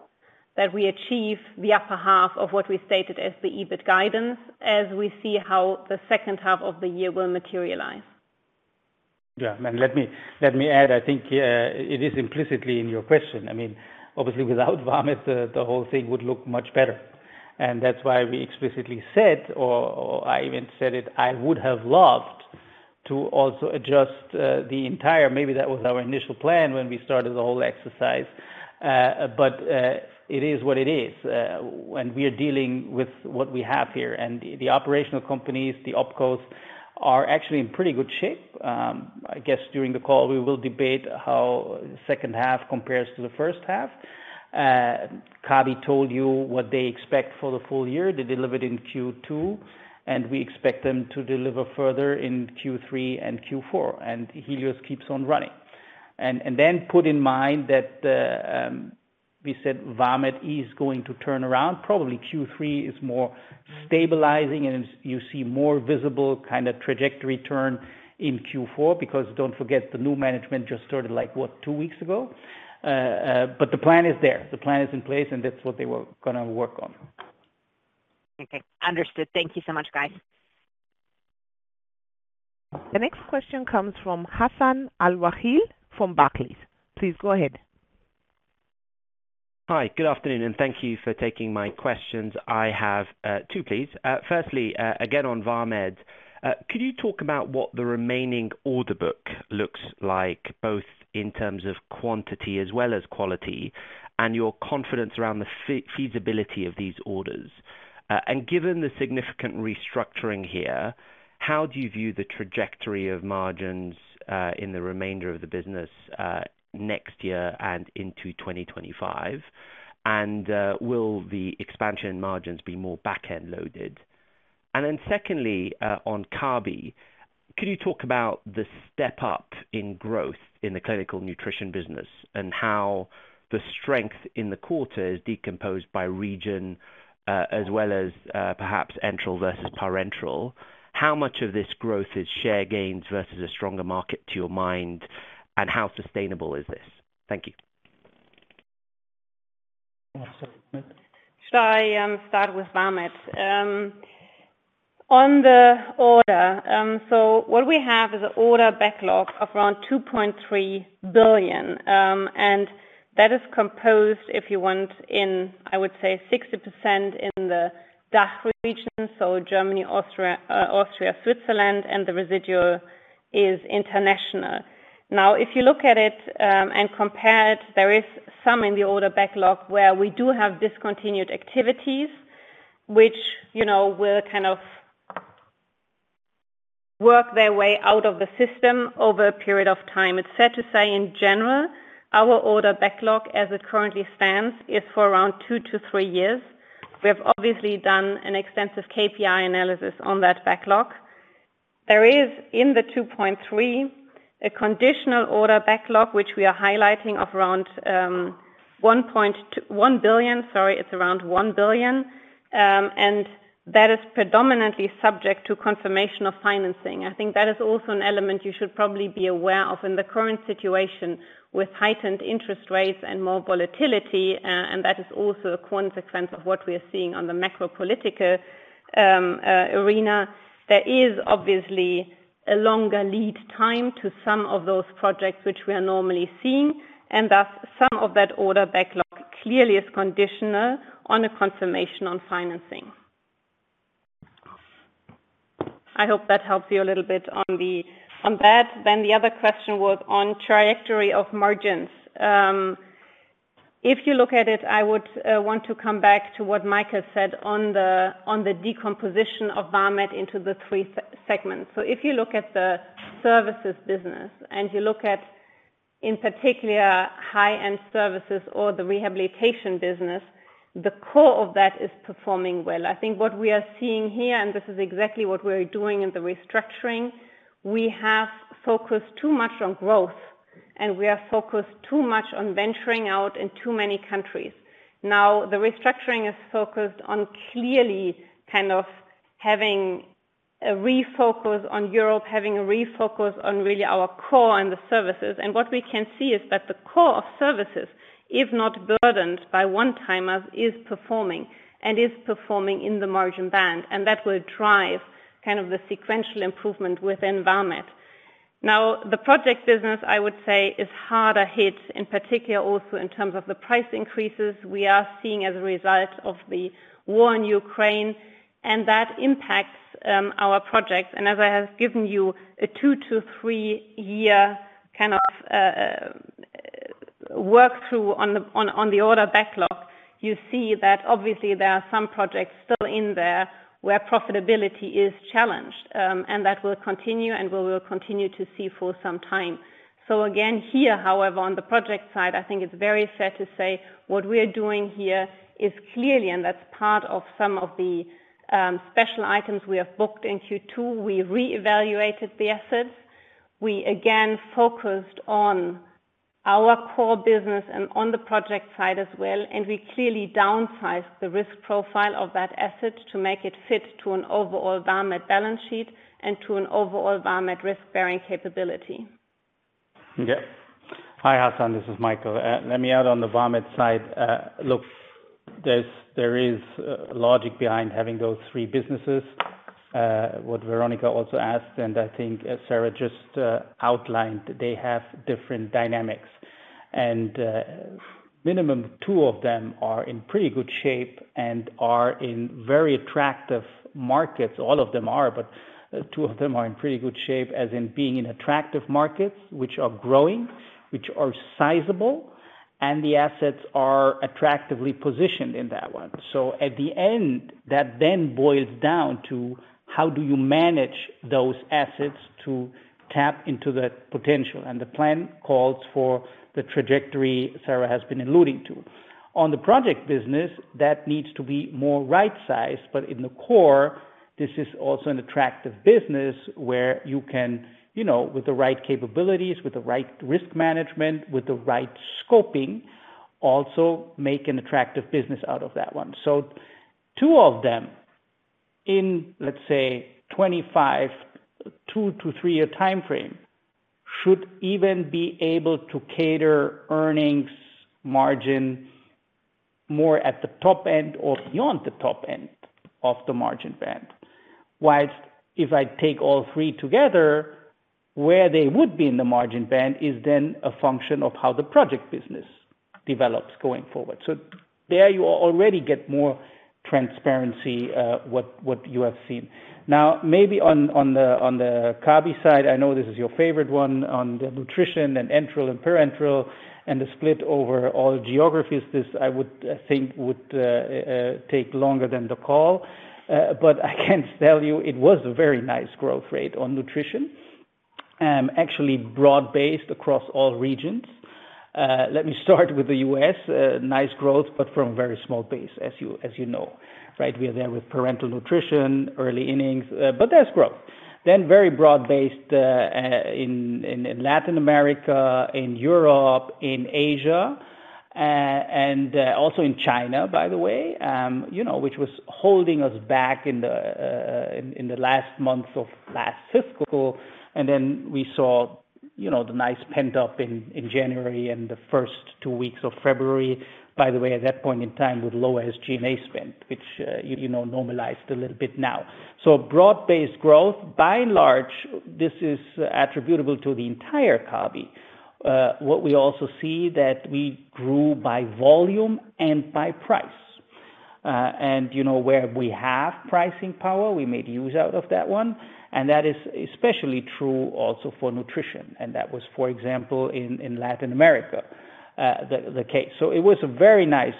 that we achieve the upper half of what we stated as the EBIT guidance, as we see how the second half of the year will materialize. Yeah, let me, let me add, I think, it is implicitly in your question. I mean, obviously, without Vamed, the whole thing would look much better. That's why we explicitly said, or, or I even said it, I would have loved to also adjust the entire, maybe that was our initial plan when we started the whole exercise, but it is what it is, and we are dealing with what we have here. The operational companies, the Opcos, are actually in pretty good shape. I guess during the call, we will debate how second half compares to the first half. Kabi told you what they expect for the full year. They delivered in Q2, and we expect them to deliver further in Q3 and Q4. Helios keeps on running. Then put in mind that the, we said Vamed is going to turn around. Probably Q3 is more stabilizing, and you see more visible kind of trajectory turn in Q4, because don't forget, the new management just started, like, what? Two weeks ago. The plan is there. The plan is in place, and that's what they were gonna work on. Okay, understood. Thank you so much, guys. The next question comes from Hassan Al-Wakeel from Barclays. Please go ahead. Hi, good afternoon, and thank you for taking my questions. I have two, please. Firstly, again, on Vamed, could you talk about what the remaining order book looks like, both in terms of quantity as well as quality, and your confidence around the feasibility of these orders? Given the significant restructuring here, how do you view the trajectory of margins in the remainder of the business next year and into 2025? Will the expansion in margins be more back-end loaded? Then secondly, on Kabi, could you talk about the step up in growth in the clinical nutrition business, and how the strength in the quarter is decomposed by region, as well as perhaps enteral versus parenteral? How much of this growth is share gains versus a stronger market, to your mind, and how sustainable is this? Thank you. So, should I start with Vamed? On the order, what we have is a order backlog of around 2.3 billion. That is composed, if you want, in, I would say, 60% in the DACH region, so Germany, Austria, Austria, Switzerland, and the residual is international. If you look at it and compare it, there is some in the older backlog where we do have discontinued activities, which, you know, will kind of work their way out of the system over a period of time. It's fair to say, in general, our order backlog, as it currently stands, is for around two to three years. We have obviously done an extensive KPI analysis on that backlog. There is, in the 2.3, a conditional order backlog, which we are highlighting of around one point. 1 billion, sorry, it's around 1 billion. That is predominantly subject to confirmation of financing. I think that is also an element you should probably be aware of in the current situation, with heightened interest rates and more volatility, that is also a consequence of what we are seeing on the macro political arena. There is obviously a longer lead time to some of those projects which we are normally seeing, and thus, some of that order backlog clearly is conditional on a confirmation on financing. I hope that helps you a little bit on the, on that. The other question was on trajectory of margins. If you look at it, I would want to come back to what Michael said on the, on the decomposition of Vamed into the three segments. If you look at the services business, and you look at, in particular, high-end services or the rehabilitation business, the core of that is performing well. I think what we are seeing here, and this is exactly what we're doing in the restructuring, we have focused too much on growth, and we are focused too much on venturing out in too many countries. The restructuring is focused on clearly kind of having a refocus on Europe, having a refocus on really our core and the services, and what we can see is that the core of services, if not burdened by one-time, is performing, and is performing in the margin band, and that will drive kind of the sequential improvement within Vamed. The project business, I would say, is harder hit, in particular, also in terms of the price increases we are seeing as a result of the war in Ukraine, and that impacts our projects. As I have given you a 2 to 3 year kind of work through on the order backlog, you see that obviously there are some projects still in there where profitability is challenged. That will continue, and we will continue to see for some time. Again, here, however, on the project side, I think it's very fair to say what we are doing here is clearly, and that's part of some of the special items we have booked in Q2. We re-evaluated the assets. We again focused on our core business and on the project side as well. We clearly downsized the risk profile of that asset to make it fit to an overall Vamed balance sheet and to an overall Vamed risk-bearing capability. Yeah. Hi, Hassan, this is Michael. Let me add on the Vamed side, look, there is logic behind having those three businesses, what Veronika also asked, I think as Sara just outlined, they have different dynamics. Minimum two of them are in pretty good shape and are in very attractive markets. All of them are, but two of them are in pretty good shape, as in being in attractive markets, which are growing, which are sizable, and the assets are attractively positioned in that one. At the end, that then boils down to how do you manage those assets to tap into the potential? The plan calls for the trajectory Sara has been alluding to. On the project business, that needs to be more right-sized, in the core, this is also an attractive business where you can, you know, with the right capabilities, with the right risk management, with the right scoping, also make an attractive business out of that one. Two of them in, let's say, 2025, two to three-year timeframe, should even be able to cater earnings margin more at the top end or beyond the top end of the margin band. Whilst if I take all three together, where they would be in the margin band is then a function of how the project business develops going forward. There you already get more transparency, what, what you have seen. Maybe on the Kabi side, I know this is your favorite one, on the nutrition and enteral and parenteral, and the split over all geographies. This, I would think would take longer than the call. I can tell you it was a very nice growth rate on nutrition, actually broad-based across all regions. Let me start with the U.S. Nice growth, from a very small base, as you, as you know, right? We are there with parental nutrition, early innings, there's growth. Very broad-based in Latin America, in Europe, in Asia, and also in China, by the way, you know, which was holding us back in the last months of last fiscal. Then we saw, you know, the nice pent up in, in January and the first two weeks of February, by the way, at that point in time, with lower SG&A spend, which, you, you know, normalized a little bit now. Broad-based growth, by and large, this is attributable to the entire Kabi. What we also see that we grew by volume and by price. You know, where we have pricing power, we made use out of that one, and that is especially true also for nutrition, and that was, for example, in, in Latin America, the, the case. It was a very nice,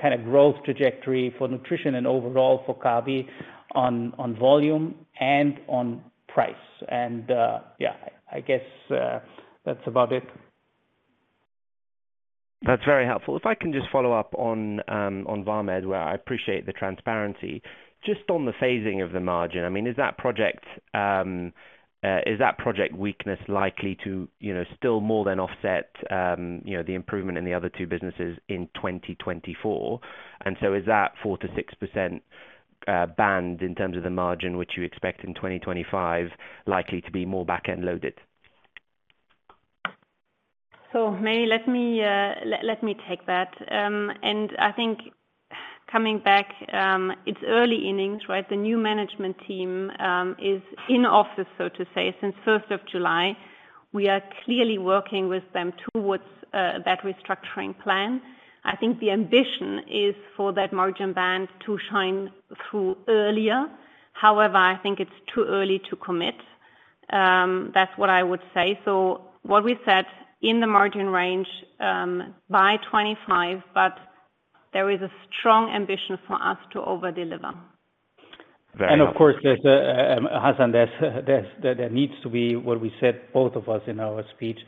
kind of growth trajectory for nutrition and overall for Kabi on, on volume and on price. Yeah, I guess, that's about it. That's very helpful. If I can just follow up on Vamed, where I appreciate the transparency. Just on the phasing of the margin, I mean, is that project, is that project weakness likely to, you know, still more than offset, you know, the improvement in the other two businesses in 2024? Is that 4%-6% band in terms of the margin which you expect in 2025, likely to be more back-end loaded? Maybe let me, let, let me take that. I think coming back, it's early innings, right? The new management team is in office, so to say, since 1st of July. We are clearly working with them towards that restructuring plan. I think the ambition is for that margin band to shine through earlier. However, I think it's too early to commit. That's what I would say. What we said in the margin range, by 25, but there is a strong ambition for us to over-deliver. Very helpful. Of course, there's a Hassan, there needs to be, what we said, both of us in our speech,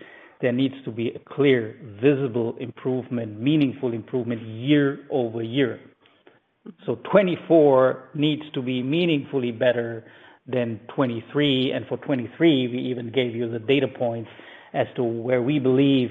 there needs to be a clear, visible improvement, meaningful improvement year-over-year. 24 needs to be meaningfully better than 23. For 23, we even gave you the data points as to where we believe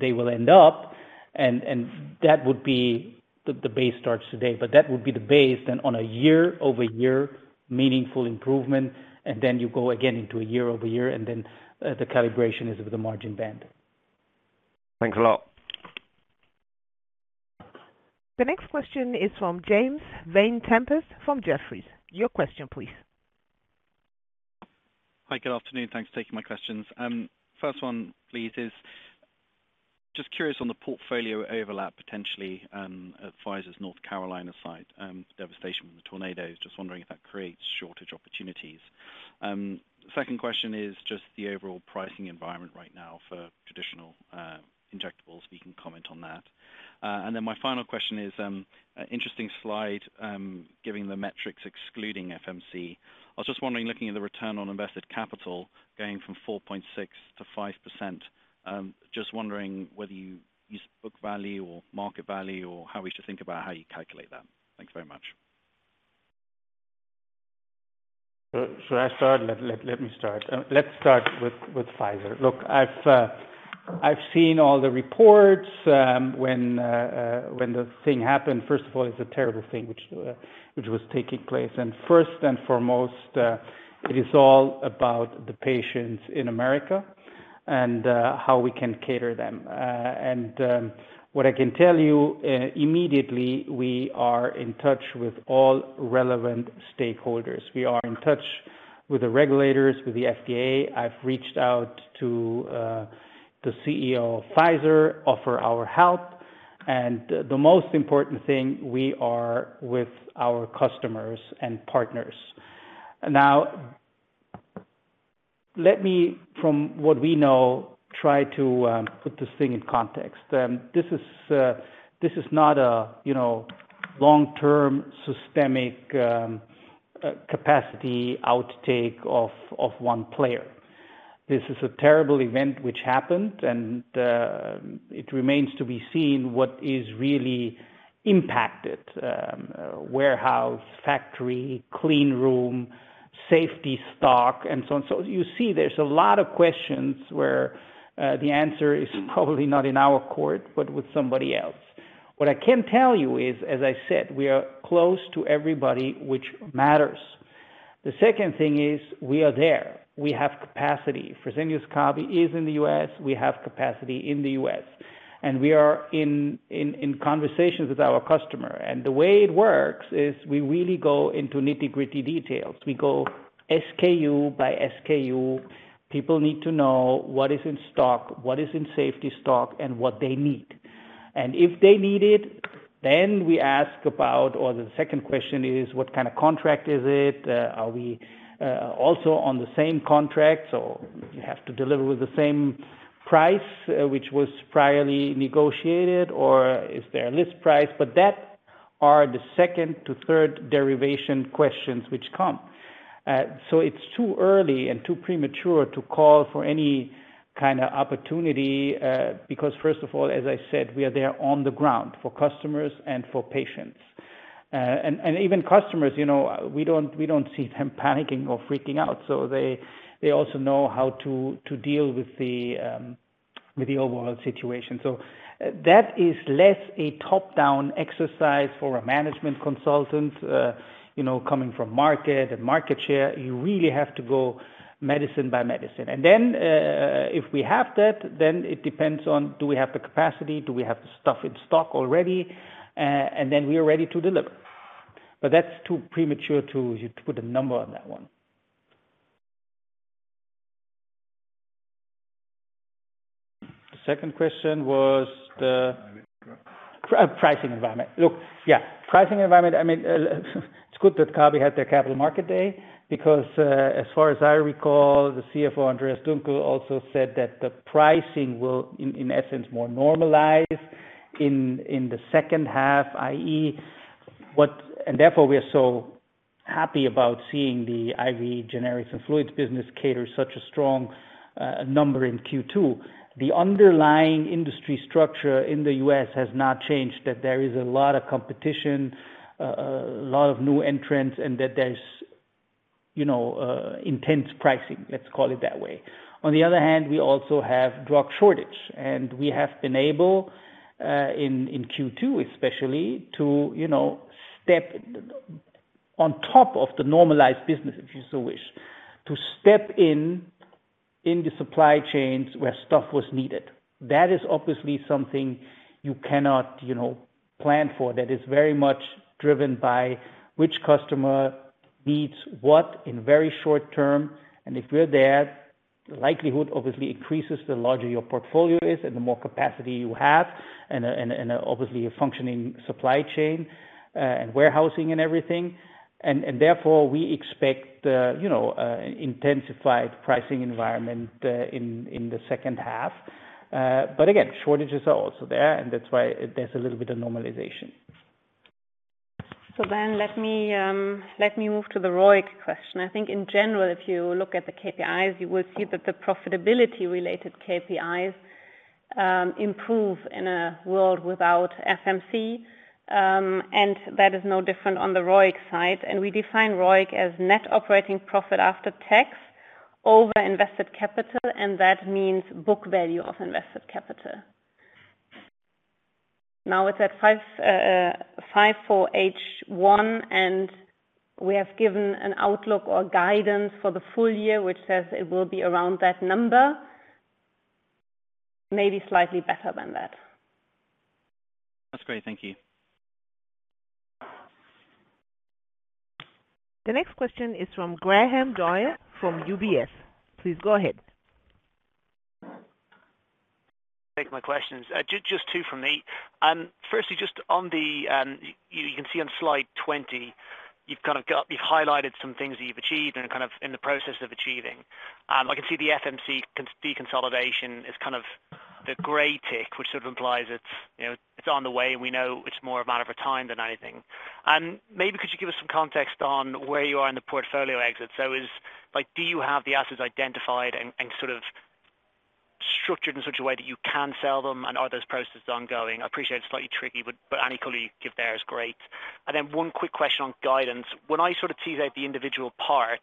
they will end up, and that would be the base starts today. That would be the base, then on a year-over-year meaningful improvement, and then you go again into a year-over-year, and then the calibration is with the margin band. Thanks a lot. The next question is from James Vane-Tempest, from Jefferies. Your question, please. Hi, good afternoon. Thanks for taking my questions. First one, please, is just curious on the portfolio overlap, potentially, Pfizer's North Carolina site, devastation from the tornadoes. Just wondering if that creates shortage opportunities. Second question is just the overall pricing environment right now for traditional injectables, if you can comment on that. Then my final question is an interesting slide, giving the metrics excluding FMC. I was just wondering, looking at the return on invested capital, going from 4.6-5%, just wondering whether you use book value or market value, or how we should think about how you calculate that. Thanks very much. Should I start? Let me start. Let's start with Pfizer. Look, I've seen all the reports, when the thing happened. First of all, it's a terrible thing which was taking place. First and foremost, it is all about the patients in America and how we can cater them. What I can tell you, immediately, we are in touch with all relevant stakeholders. We are in touch with the regulators, with the FDA. I've reached out to the CEO of Pfizer to offer our help. The most important thing, we are with our customers and partners. Let me, from what we know, try to put this thing in context. This is, this is not a, you know, long-term systemic capacity outtake of one player. This is a terrible event which happened, and it remains to be seen what is really impacted, warehouse, factory, clean room, safety stock, and so on. You see there's a lot of questions where the answer is probably not in our court, but with somebody else. What I can tell you is, as I said, we are close to everybody, which matters. The second thing is, we are there. We have capacity. Fresenius Kabi is in the US, we have capacity in the U.S., and we are in conversations with our customer. The way it works is we really go into nitty-gritty details. We go SKU by SKU. People need to know what is in stock, what is in safety stock, and what they need. If they need it, then we ask about, or the second question is: What kind of contract is it? Are we also on the same contract or you have to deliver with the same price, which was priorly negotiated, or is there a list price? That are the second to third derivation questions which come. So it's too early and too premature to call for any kind of opportunity, because first of all, as I said, we are there on the ground for customers and for patients. Even customers, you know, we don't, we don't see them panicking or freaking out, so they, they also know how to, to deal with the, with the overall situation. That is less a top-down exercise for a management consultant, you know, coming from market and market share. You really have to go medicine by medicine. If we have that, then it depends on do we have the capacity, do we have the stuff in stock already, and then we are ready to deliver. That's too premature to put a number on that one. The second question was the. Pricing environment. Pricing environment. Look, yeah, pricing environment, I mean, it's good that Kabi had their Capital Markets Day because, as far as I recall, the CFO, Andreas Duenkel, also said that the pricing will, in, in essence, more normalize in, in the second half, i.e., what, therefore, we are so happy about seeing the IV generics and fluids business cater such a strong number in Q2. The underlying industry structure in the U.S, has not changed, that there is a lot of competition, a lot of new entrants, and that there's, you know, intense pricing, let's call it that way. On the other hand, we also have drug shortage, and we have been able, in, in Q2, especially, to, you know, step on top of the normalized business, if you so wish, to step in, in the supply chains where stuff was needed. That is obviously something you cannot, you know, plan for. That is very much driven by which customer needs what in very short term, and if we're there, the likelihood obviously increases the larger your portfolio is and the more capacity you have and, and obviously a functioning supply chain, and warehousing and everything. Therefore, we expect, you know, intensified pricing environment in the second half. But again, shortages are also there, and that's why there's a little bit of normalization. Let me, let me move to the ROIC question. I think in general, if you look at the KPIs, you will see that the profitability-related KPIs improve in a world without FMC, and that is no different on the ROIC side. We define ROIC as net operating profit after tax over invested capital, and that means book value of invested capital. Now, it's at 5.4 H1, and we have given an outlook or guidance for the full year, which says it will be around that number, maybe slightly better than that. That's great. Thank you. The next question is from Graham Doyle, from UBS. Please go ahead. Take my questions. just two from me. firstly, just on the, you can see on slide 20, you've kind of got, you've highlighted some things that you've achieved and kind of in the process of achieving. I can see the FMC deconsolidation is kind of the gray tick, which sort of implies it's, you know, it's on the way, and we know it's more a matter of time than anything. Maybe could you give us some context on where you are in the portfolio exit? Like, do you have the assets identified and, and sort of structured in such a way that you can sell them, and are those processes ongoing? I appreciate it's slightly tricky, but any colleague give there is great. Then one quick question on guidance. When I sort of tease out the individual parts,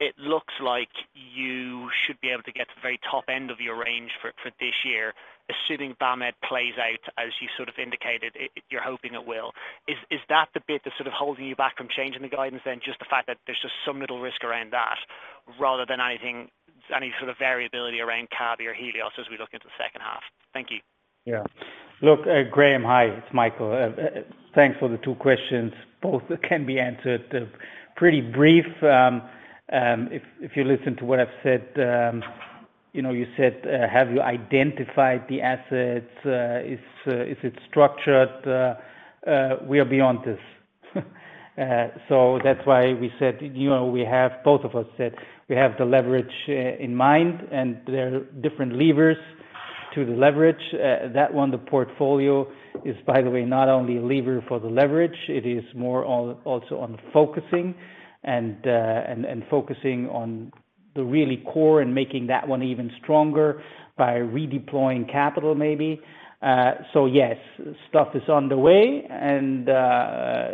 it looks like you should be able to get to the very top end of your range for this year, assuming Vamed plays out as you sort of indicated, you're hoping it will. Is that the bit that's sort of holding you back from changing the guidance, then just the fact that there's just so little risk around that rather than anything, any sort of variability around Kabi or Helios as we look into the second half? Thank you. Yeah. Look, Graham, hi, it's Michael. Thanks for the two questions. Both can be answered pretty brief, if, if you listen to what I've said, you know, you said, "Have you identified the assets? Is, is it structured?" We are beyond this. That's why we said, you know, we have both of us said we have the leverage in mind, and there are different levers, to the leverage, that one, the portfolio is, by the way, not only a lever for the leverage, it is more on, also on focusing and focusing on the really core and making that one even stronger by redeploying capital, maybe. Yes, stuff is on the way, and,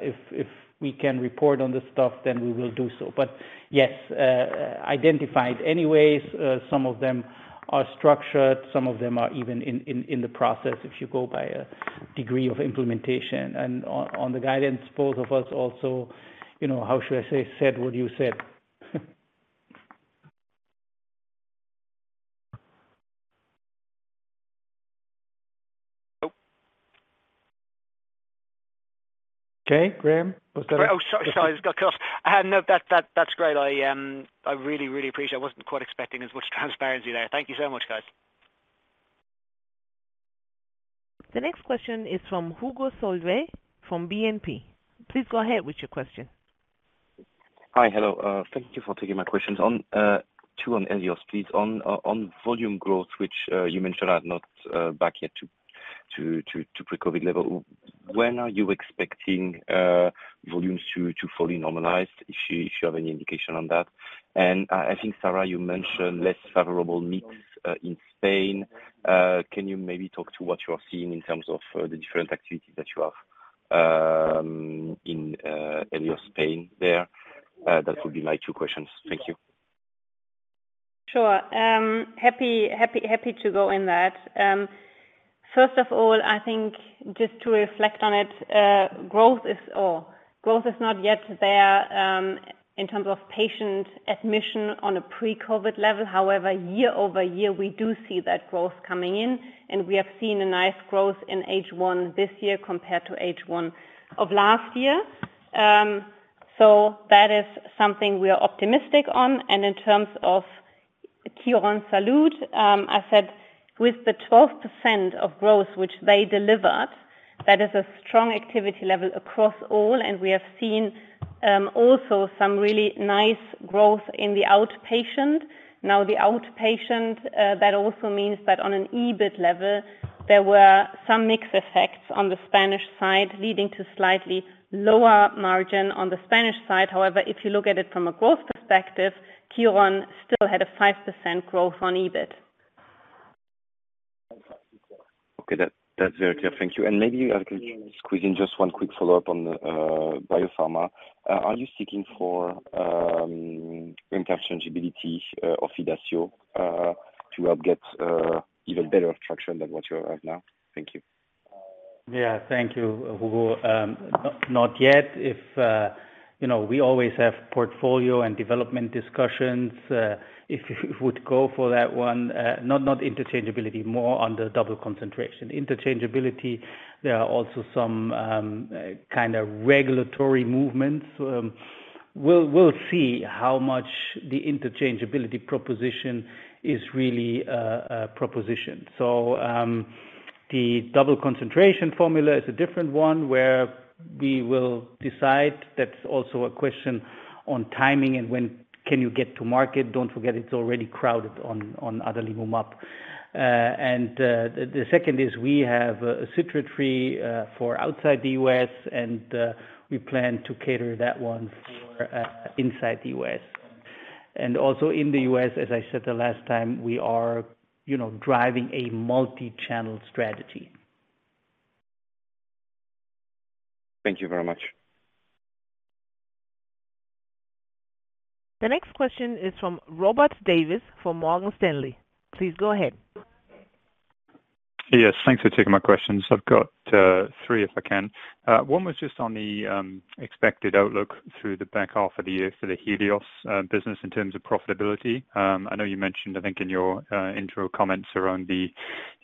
if, if we can report on the stuff, then we will do so. Yes, identified anyways, some of them are structured, some of them are even in, in, in the process if you go by a degree of implementation. On, on the guidance, both of us also, you know, how should I say, said what you said? Oh. Okay, Graham. Was that- Oh, sorry, sorry. It got cut off. No, that, that, that's great. I really, really appreciate it. I wasn't quite expecting as much transparency there. Thank you so much, guys. The next question is from Hugo Solvet, from BNP. Please go ahead with your question. Hi. Hello, thank you for taking my questions on two on Helios, please. On volume growth, which you mentioned are not back yet to pre-COVID level. When are you expecting volumes to fully normalize? If you, if you have any indication on that. I think, Sara, you mentioned less favorable mix in Spain. Can you maybe talk to what you are seeing in terms of the different activities that you have in Helios Spain there? That would be my two questions. Thank you. Sure. happy, happy, happy to go in that. First of all, I think just to reflect on it, growth is. Oh, growth is not yet there, in terms of patient admission on a pre-COVID level. However, year-over-year, we do see that growth coming in, and we have seen a nice growth in H1 this year compared to H1 of last year. That is something we are optimistic on. In terms of Quirónsalud, I said with the 12% of growth which they delivered, that is a strong activity level across all, and we have seen also some really nice growth in the outpatient. Now, the outpatient, that also means that on an EBIT level, there were some mixed effects on the Spanish side, leading to slightly lower margin on the Spanish side. If you look at it from a growth perspective, Quiron still had a 5% growth on EBIT. Okay, that, that's very clear. Thank you. Maybe I can squeeze in just one quick follow-up on the biopharma. Are you seeking for interchangeability of Idacio to help get even better traction than what you have now? Thank you. Yeah, thank you, Hugo. Not, not yet. If, you know, we always have portfolio and development discussions, if we would go for that one, not, not interchangeability, more on the double concentration. Interchangeability, there are also some kind of regulatory movements. We'll, we'll see how much the interchangeability proposition is really a, a proposition. The double concentration formula is a different one, where we will decide. That's also a question on timing and when can you get to market. Don't forget, it's already crowded on, on other Lyumjev. And the second is we have a citrate-free for outside the U.S., and we plan to cater that one for inside the U.S. Also in the U.S., as I said the last time, we are, you know, driving a multi-channel strategy. Thank you very much. The next question is from Robert Davis, from Morgan Stanley. Please go ahead. Yes, thanks for taking my questions. I've got three, if I can. One was just on the expected outlook through the back half of the year for the Helios business in terms of profitability. I know you mentioned, I think, in your intro comments around the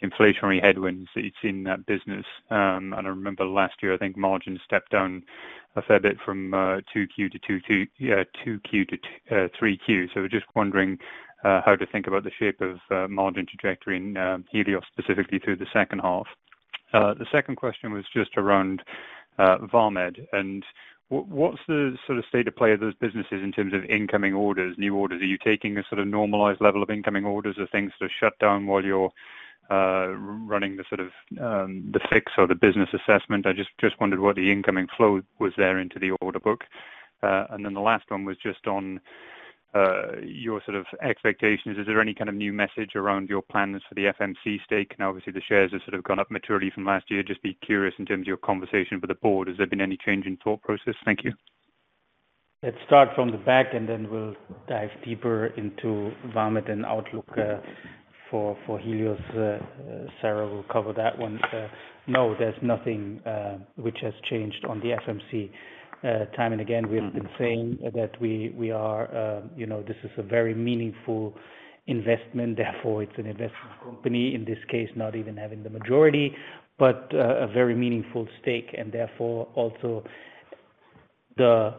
inflationary headwinds that you'd seen in that business. And I remember last year, I think margins stepped down a fair bit from 2Q to 3Q. So just wondering how to think about the shape of margin trajectory in Helios, specifically through the second half. The second question was just around Vamed, and what, what's the sort of state of play of those businesses in terms of incoming orders, new orders? Are you taking a sort of normalized level of incoming orders or things to shut down while you're running the sort of the fix or the business assessment? I just, just wondered what the incoming flow was there into the order book. The last one was just on your sort of expectations. Is there any kind of new message around your plans for the FMC stake? Now, obviously, the shares have sort of gone up materially from last year. Just be curious in terms of your conversation with the board, has there been any change in thought process? Thank you. Let's start from the back, and then we'll dive deeper into Vamed and outlook for, for Helios. Sara will cover that one. No, there's nothing which has changed on the FMC. Time and again, we have been saying that we, we are, you know, this is a very meaningful investment, therefore, it's an investment company, in this case, not even having the majority, but a very meaningful stake, and therefore also the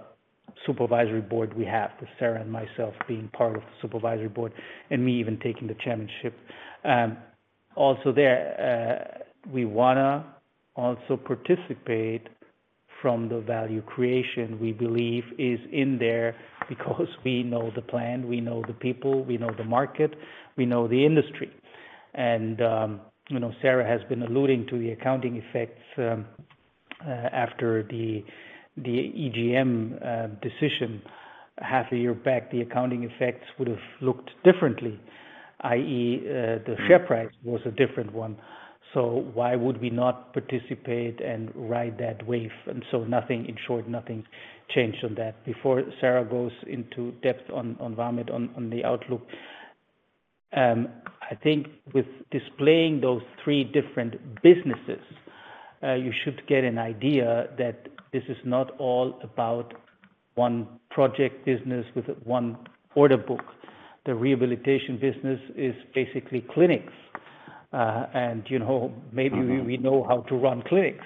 supervisory board we have, with Sara and myself being part of the supervisory board and me even taking the chairmanship. Also there, we wanna also participate- from the value creation we believe is in there, because we know the plan, we know the people, we know the market, we know the industry. You know, Sara has been alluding to the accounting effects after the EGM decision. Half a year back, the accounting effects would have looked differently, i.e., the share price was a different one, so why would we not participate and ride that wave? Nothing, in short, nothing's changed on that. Before Sara goes into depth on Vamed, on the outlook, I think with displaying those three different businesses, you should get an idea that this is not all about one project business with one order book. The rehabilitation business is basically clinics. You know, maybe- Mm-hmm. We know how to run clinics.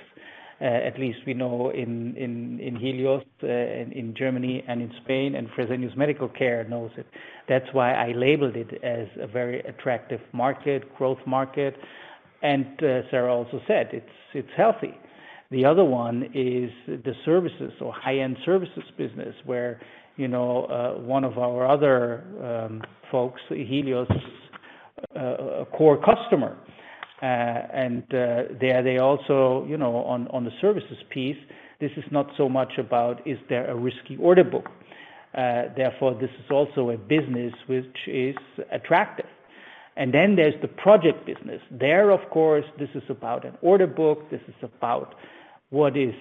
At least we know in, in, in Helios, and in Germany and in Spain, and Fresenius Medical Care knows it. That's why I labeled it as a very attractive market, growth market. Sara also said, it's, it's healthy. The other one is the services or high-end services business, where, you know, one of our other folks, Helios, a core customer, and they, they also, you know, on, on the services piece, this is not so much about, is there a risky order book? Therefore, this is also a business which is attractive. Then there's the project business. There, of course, this is about an order book, this is about what is,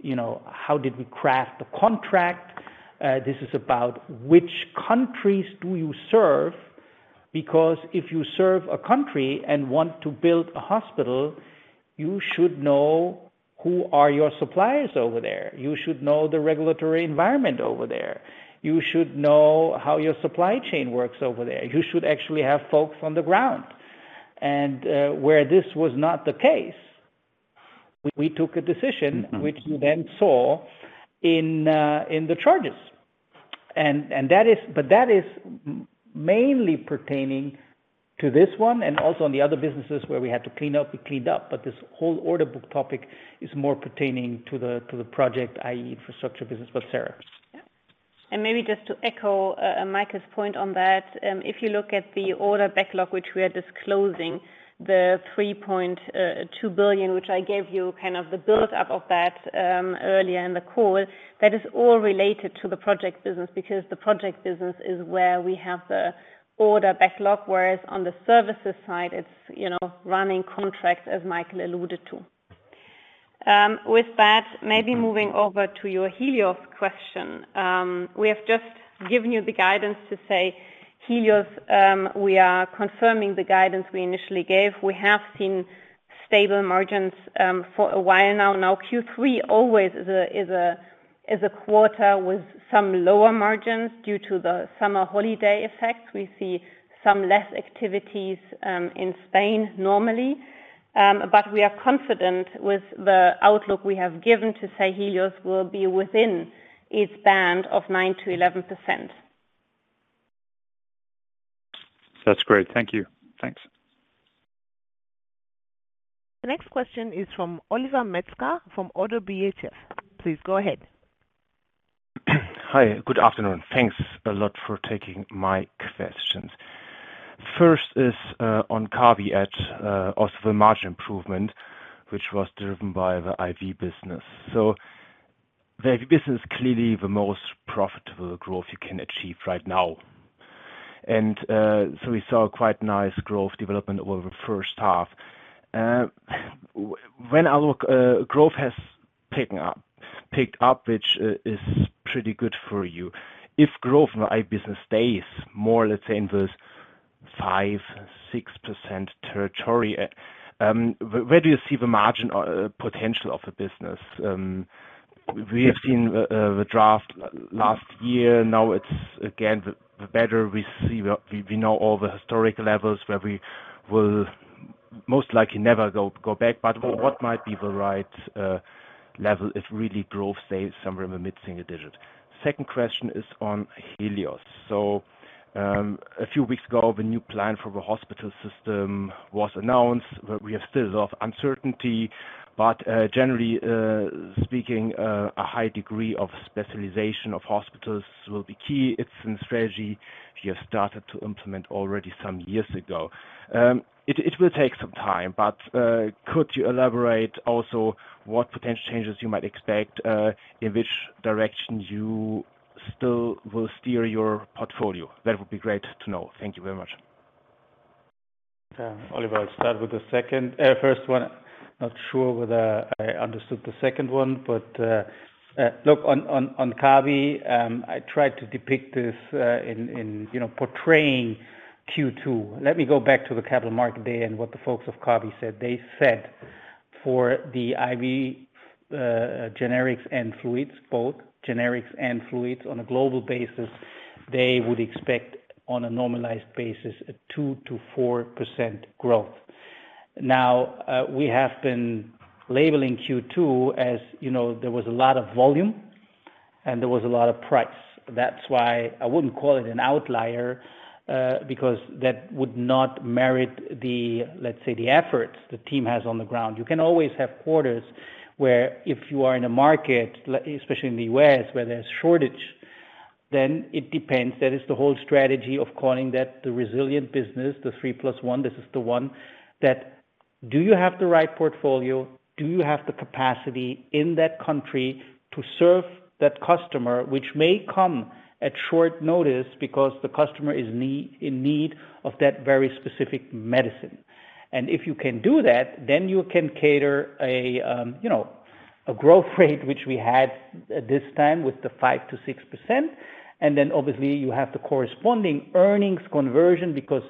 you know, how did we craft the contract? This is about which countries do you serve, because if you serve a country and want to build a hospital, you should know who are your suppliers over there. You should know the regulatory environment over there. You should know how your supply chain works over there. You should actually have folks on the ground. Where this was not the case, we took a decision- Mm-hmm. Which you then saw in the charges. That is mainly pertaining to this one, and also on the other businesses where we had to clean up, we cleaned up. This whole order book topic is more pertaining to the, to the project, i.e., infrastructure business. Sara? Yeah. Maybe just to echo Michael's point on that, if you look at the order backlog, which we are disclosing, the 3.2 billion, which I gave you kind of the build up of that earlier in the call, that is all related to the project business, because the project business is where we have the order backlog. Whereas on the services side, it's, you know, running contracts, as Michael alluded to. With that, maybe moving over to your Helios question. We have just given you the guidance to say, Helios, we are confirming the guidance we initially gave. We have seen stable margins for a while now. Now, Q3 always is a, is a, is a quarter with some lower margins due to the summer holiday effect. We see some less activities in Spain, normally. We are confident with the outlook we have given to say Helios will be within its band of 9%-11%. That's great. Thank you. Thanks. The next question is from Oliver Metzger, from ODDO BHF. Please go ahead. Hi, good afternoon. Thanks a lot for taking my questions. First is on Kabi at also the margin improvement, which was driven by the IV business. The IV business is clearly the most profitable growth you can achieve right now. We saw quite nice growth development over the first half. When I look, growth has picked up, which is pretty good for you. If growth in the IV business stays more, let's say, in the 5%, 6% territory, where do you see the margin potential of the business? Yes. We've seen the draft last year. Now it's again, the better we see the. We know all the historic levels where we will most likely never go, go back. What might be the right level, if really growth stays somewhere in the mid-single-digit? Second question is on Helios. A few weeks ago, the new plan for the hospital system was announced, but we are still off uncertainty. Generally speaking, a high degree of specialization of hospitals will be key. It's in strategy you have started to implement already some years ago. It will take some time, but could you elaborate also what potential changes you might expect, in which directions you still will steer your portfolio? That would be great to know. Thank you very much. Oliver, I'll start with the second, first one. Not sure whether I understood the second one, but, look, on, on, on Kabi, I tried to depict this, in, you know, portraying Q2. Let me go back to the Capital Markets Day and what the folks of Kabi said. They said for the IV, generics and fluids, both generics and fluids, on a global basis, they would expect, on a normalized basis, a 2%-4% growth. Now, we have been labeling Q2, as you know, there was a lot of volume. There was a lot of price. That's why I wouldn't call it an outlier, because that would not merit the, let's say, the efforts the team has on the ground. You can always have quarters where if you are in a market, especially in the U.S., where there's shortage, then it depends. That is the whole strategy of calling that the resilient business, the 3 plus 1. This is the one that do you have the right portfolio? Do you have the capacity in that country to serve that customer, which may come at short notice because the customer is need, in need of that very specific medicine. If you can do that, then you can cater a, you know, a growth rate, which we had at this time with the 5%-6%. Obviously you have the corresponding earnings conversion, because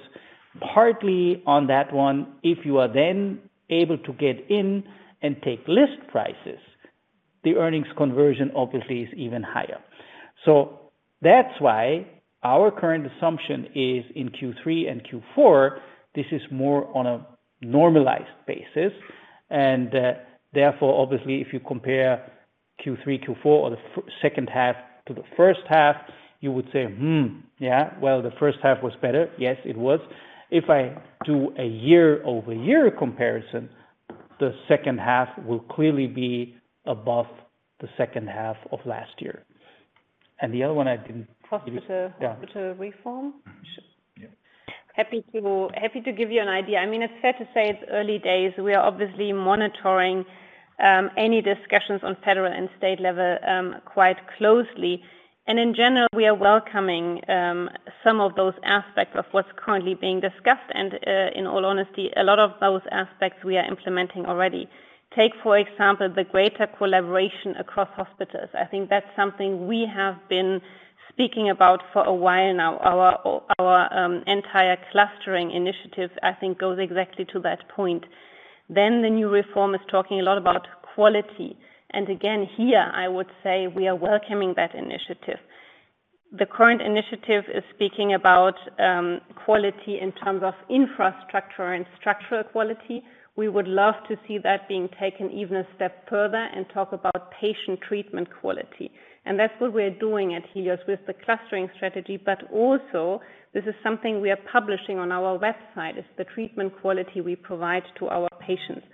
partly on that one, if you are then able to get in and take list prices, the earnings conversion obviously is even higher. That's why our current assumption is in Q3 and Q4, this is more on a normalized basis. Therefore, obviously, if you compare Q3, Q4 or the second half to the first half, you would say, "Hmm. Yeah, well, the first half was better." Yes, it was. If I do a year-over-year comparison, the second half will clearly be above the second half of last year. The other one I didn't— Hospital— Yeah. Hospital reform? Yeah. Happy to, happy to give you an idea. I mean, it's fair to say it's early days. We are obviously monitoring any discussions on federal and state level quite closely. In general, we are welcoming some of those aspects of what's currently being discussed and, in all honesty, a lot of those aspects we are implementing already. Take, for example, the greater collaboration across hospitals. I think that's something we have been speaking about for a while now. Our, our entire clustering initiative, I think, goes exactly to that point. The new reform is talking a lot about quality, and again, here I would say we are welcoming that initiative. The current initiative is speaking about quality in terms of infrastructure and structural quality. We would love to see that being taken even a step further and talk about patient treatment quality. That's what we're doing at Helios with the clustering strategy, but also this is something we are publishing on our website, is the treatment quality we provide to our patients.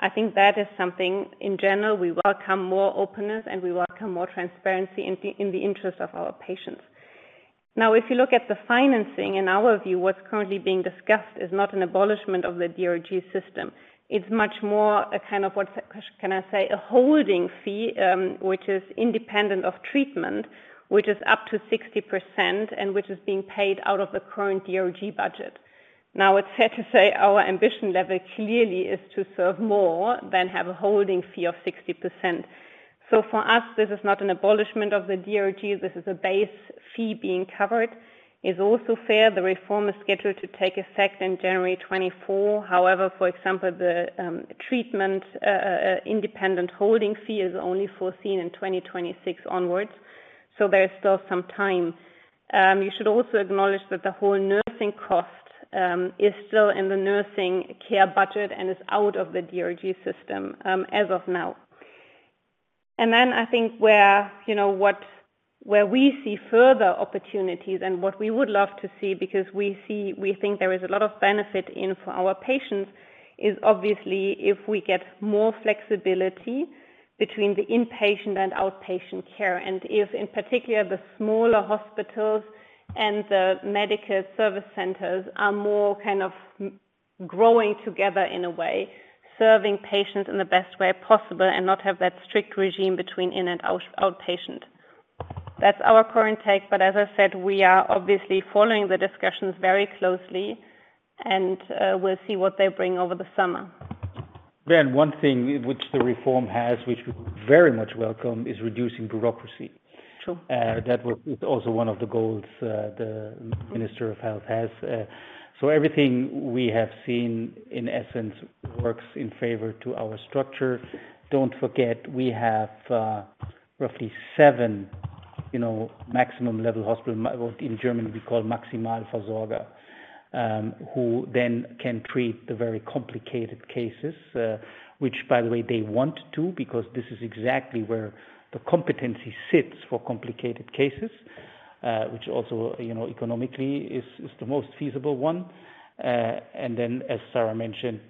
I think that is something in general, we welcome more openness and we welcome more transparency in the, in the interest of our patients. If you look at the financing, in our view, what's currently being discussed is not an abolishment of the DRG system. It's much more a kind of, what can I say, a holding fee, which is independent of treatment, which is up to 60% and which is being paid out of the current DRG budget. It's fair to say our ambition level clearly is to serve more than have a holding fee of 60%. For us, this is not an abolishment of the DRG, this is a base fee being covered. It's also fair the reform is scheduled to take effect in January 2024. However, for example, the treatment independent holding fee is only foreseen in 2026 onwards, so there is still some time. You should also acknowledge that the whole nursing cost is still in the nursing care budget and is out of the DRG system as of now. Then I think where, you know, where we see further opportunities and what we would love to see, because we see, we think there is a lot of benefit in for our patients, is obviously if we get more flexibility between the inpatient and outpatient care, and if in particular, the smaller hospitals and the medical service centers are more kind of growing together in a way, serving patients in the best way possible and not have that strict regime between in and out- outpatient. That's our current take, but as I said, we are obviously following the discussions very closely, and we'll see what they bring over the summer. One thing which the reform has, which we very much welcome, is reducing bureaucracy. Sure. That was, is also one of the goals the Minister of Health has. Everything we have seen in essence, works in favor to our structure. Don't forget, we have, roughly seven, you know, maximum level hospital, in German we call Maximalversorger, who then can treat the very complicated cases, which by the way, they want to, because this is exactly where the competency sits for complicated cases, which also, you know, economically is, is the most feasible one. As Sara mentioned,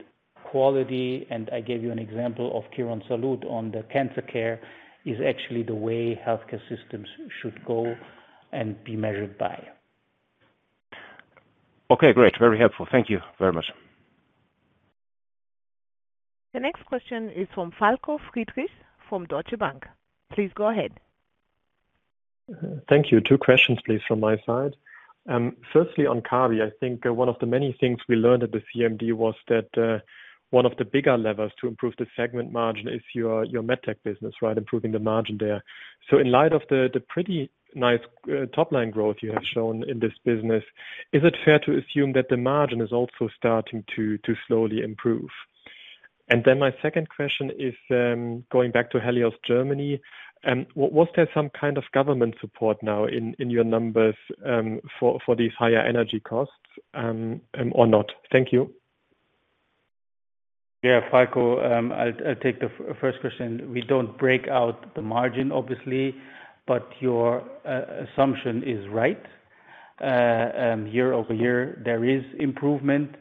quality, and I gave you an example of Quirónsalud on the cancer care, is actually the way healthcare systems should go and be measured by. Okay, great. Very helpful. Thank you very much. The next question is from Falko Friedrichs, from Deutsche Bank. Please go ahead. Thank you. Two questions, please, from my side. Firstly, on Kabi, I think one of the many things we learned at the CMD was that one of the bigger levers to improve the segment margin is your, your MedTech business, right? Improving the margin there. In light of the, the pretty nice, top line growth you have shown in this business, is it fair to assume that the margin is also starting to, to slowly improve? Then my second question is, going back to Helios Germany, was there some kind of government support now in, in your numbers, for, for these higher energy costs, or not? Thank you. Yeah, Falko, I'll take the first question. We don't break out the margin, obviously, but your assumption is right. Year-over-year, there is improvement.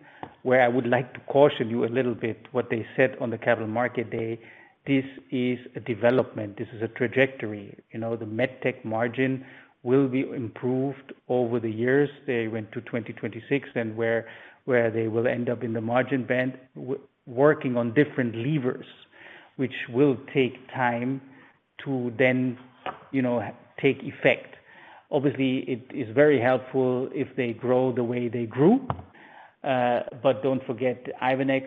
Where I would like to caution you a little bit, what they said on the Capital Markets Day, this is a development, this is a trajectory. You know, the MedTech margin will be improved over the years. They went to 2026, and where, where they will end up in the margin band working on different levers, which will take time to then, you know, take effect. Obviously, it is very helpful if they grow the way they grew. Don't forget Ivenix,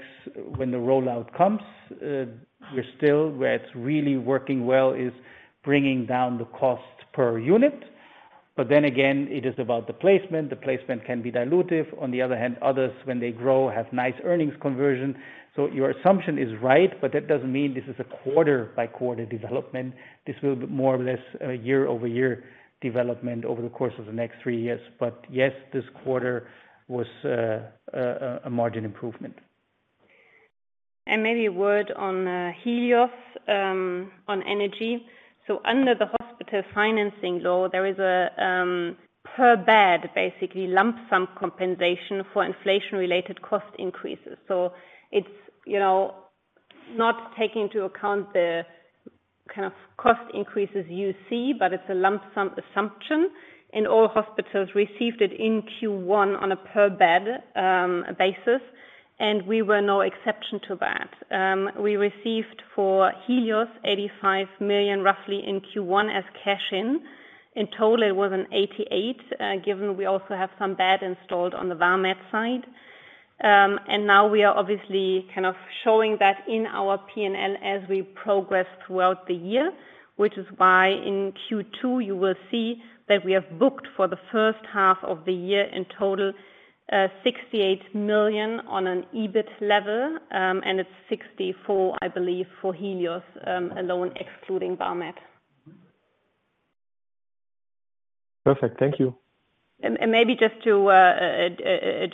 when the rollout comes, we're still where it's really working well, is bringing down the cost per unit. But then again, it is about the placement. The placement can be dilutive. On the other hand, others, when they grow, have nice earnings conversion. Your assumption is right, but that doesn't mean this is a quarter-over-quarter development. This will be more or less a year-over-year development over the course of the next three years. Yes, this quarter was a margin improvement. Maybe a word on Helios on energy. Under the Hospital Financing Act, there is a per bed, basically, lump sum compensation for inflation-related cost increases. It's, you know, not taking into account the kind of cost increases you see, but it's a lump sum assumption, and all hospitals received it in Q1 on a per bed basis, and we were no exception to that. We received for Helios, 85 million, roughly in Q1 as cash in. In total, it was 88 given we also have some bed installed on the Vamed side. Now we are obviously kind of showing that in our P&L as we progress throughout the year, which is why in Q2, you will see that we have booked for the first half of the year, in total, 68 million on an EBIT level, and it's 64 million, I believe, for Helios alone, excluding Vamed. Perfect. Thank you. Maybe just to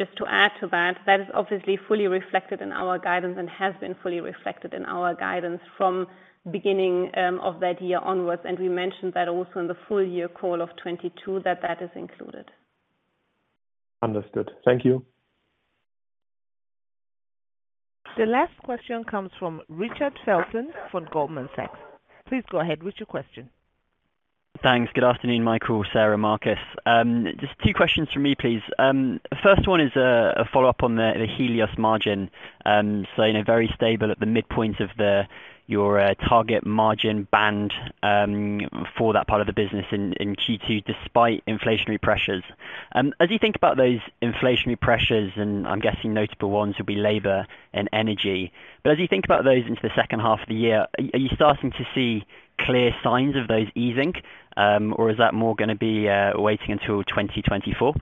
just to add to that, that is obviously fully reflected in our guidance and has been fully reflected in our guidance from beginning of that year onwards. We mentioned that also in the full year call of 22, that that is included. Understood. Thank you. The last question comes from Richard Felton from Goldman Sachs. Please go ahead with your question. Thanks. Good afternoon, Michael, Sara, Markus. Just two questions from me, please. The first one is a follow-up on the Helios margin. In a very stable at the midpoint of your target margin band for that part of the business in Q2, despite inflationary pressures. As you think about those inflationary pressures, and I'm guessing notable ones will be labor and energy, but as you think about those into the second half of the year, are you starting to see clear signs of those easing? Is that more gonna be waiting until 2024?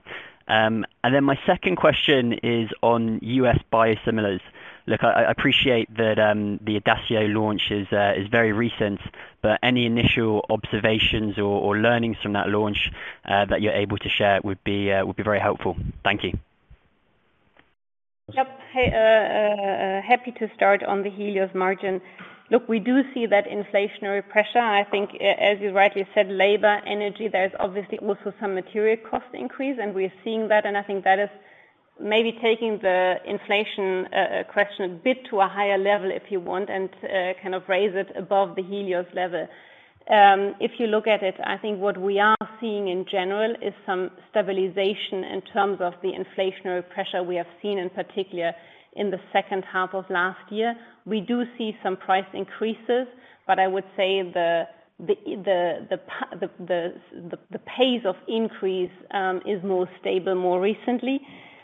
My second question is on U.S. biosimilars. Look, I, I appreciate that, the Idacio launch is, is very recent, but any initial observations or, or learnings from that launch, that you're able to share would be, would be very helpful. Thank you. Yep. Hey, happy to start on the Helios margin. Look, we do see that inflationary pressure. I think as you rightly said, labor, energy, there's obviously also some material cost increase, and we're seeing that, and I think that is maybe taking the inflation question a bit to a higher level, if you want, and kind of raise it above the Helios level. If you look at it, I think what we are seeing in general is some stabilization in terms of the inflationary pressure we have seen, in particular, in the second half of last year. We do see some price increases, but I would say the, the, the, the, the, the pace of increase is more stable more recently.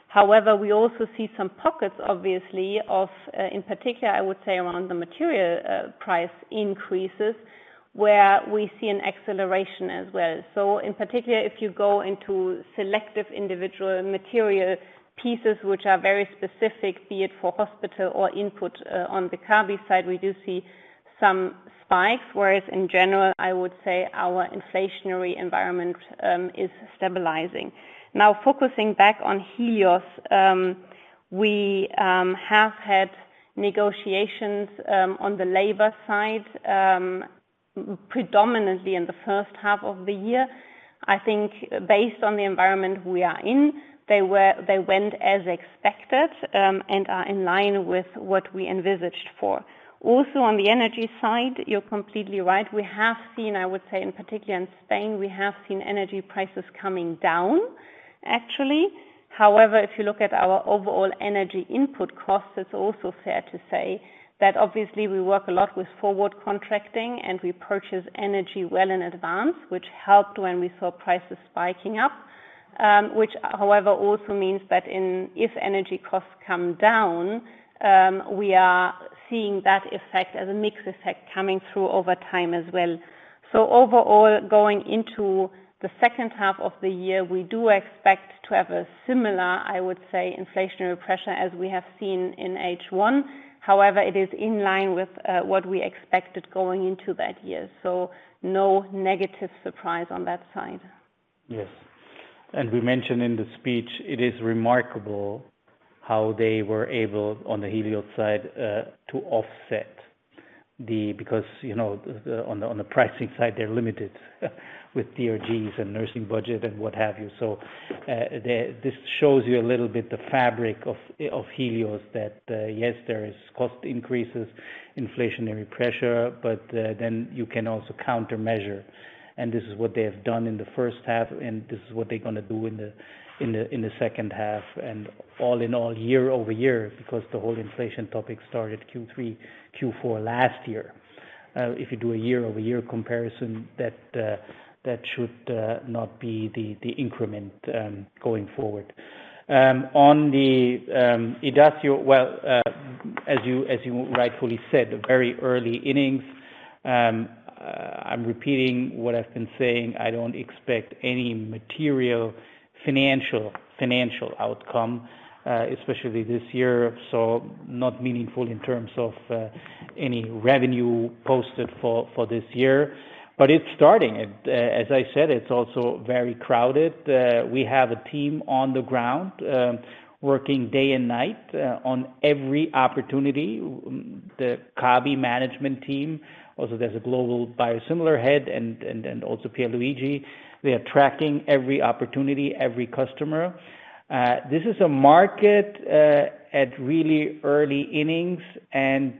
However, we also see some pockets, obviously, of, in particular, I would say, around the material, price increases, where we see an acceleration as well. In particular, if you go into selective individual material pieces, which are very specific, be it for hospital or input, on the Kabi side, we do see some spikes. Whereas in general, I would say our inflationary environment is stabilizing. Now, focusing back on Helios, we have had negotiations on the labor side, predominantly in the first half of the year. I think based on the environment we are in, they went as expected and are in line with what we envisaged for. Also, on the energy side, you're completely right. We have seen, I would say, in particular in Spain, we have seen energy prices coming down, actually. However, if you look at our overall energy input costs, it's also fair to say that obviously, we work a lot with forward contracting, and we purchase energy well in advance, which helped when we saw prices spiking up. Which, however, also means that if energy costs come down, we are seeing that effect as a mixed effect coming through over time as well. Overall, going into the second half of the year, we do expect to have a similar, I would say, inflationary pressure as we have seen in H1. However, it is in line with what we expected going into that year, so no negative surprise on that side. Yes. We mentioned in the speech, it is remarkable how they were able, on the Helios side, to offset the, because, you know, the, on the, on the pricing side, they're limited with DRGs and nursing budget and what have you. This shows you a little bit the fabric of Helios, that, yes, there is cost increases, inflationary pressure, but then you can also countermeasure. This is what they have done in the first half, and this is what they're gonna do in the second half. All in all, year-over-year, because the whole inflation topic started Q3, Q4 last year. If you do a year-over-year comparison, that, that should not be the increment going forward. On the Idacio, well, as you, as you rightfully said, very early innings. I'm repeating what I've been saying: I don't expect any material financial, financial outcome, especially this year. Not meaningful in terms of any revenue posted for, for this year, but it's starting. It, as I said, it's also very crowded. We have a team on the ground, working day and night, on every opportunity. The Kabi management team, also, there's a global biosimilar head and, and, and also Pierluigi Antonelli. We are tracking every opportunity, every customer. This is a market at really early innings and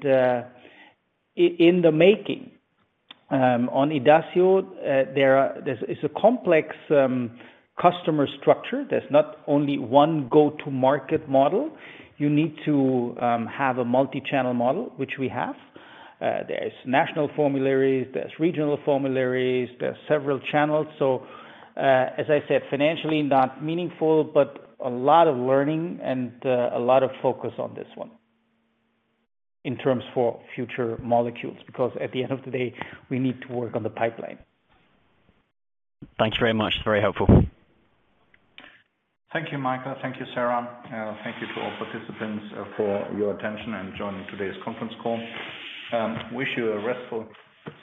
in the making. On Idacio, there's is a complex customer structure. There's not only one go-to-market model. You need to have a multi-channel model, which we have. There's national formularies, there's regional formularies, there's several channels. As I said, financially, not meaningful, but a lot of learning and a lot of focus on this one in terms for future molecules, because at the end of the day, we need to work on the pipeline. Thank you very much. Very helpful. Thank you, Michael. Thank you, Sara. Thank you to all participants for your attention and joining today's conference call. Wish you a restful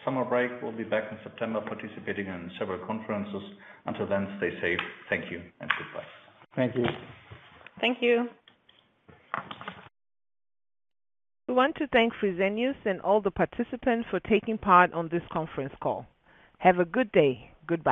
summer break. We'll be back in September, participating in several conferences. Until then, stay safe. Thank you, and goodbye. Thank you. Thank you. We want to thank Fresenius and all the participants for taking part on this conference call. Have a good day. Goodbye.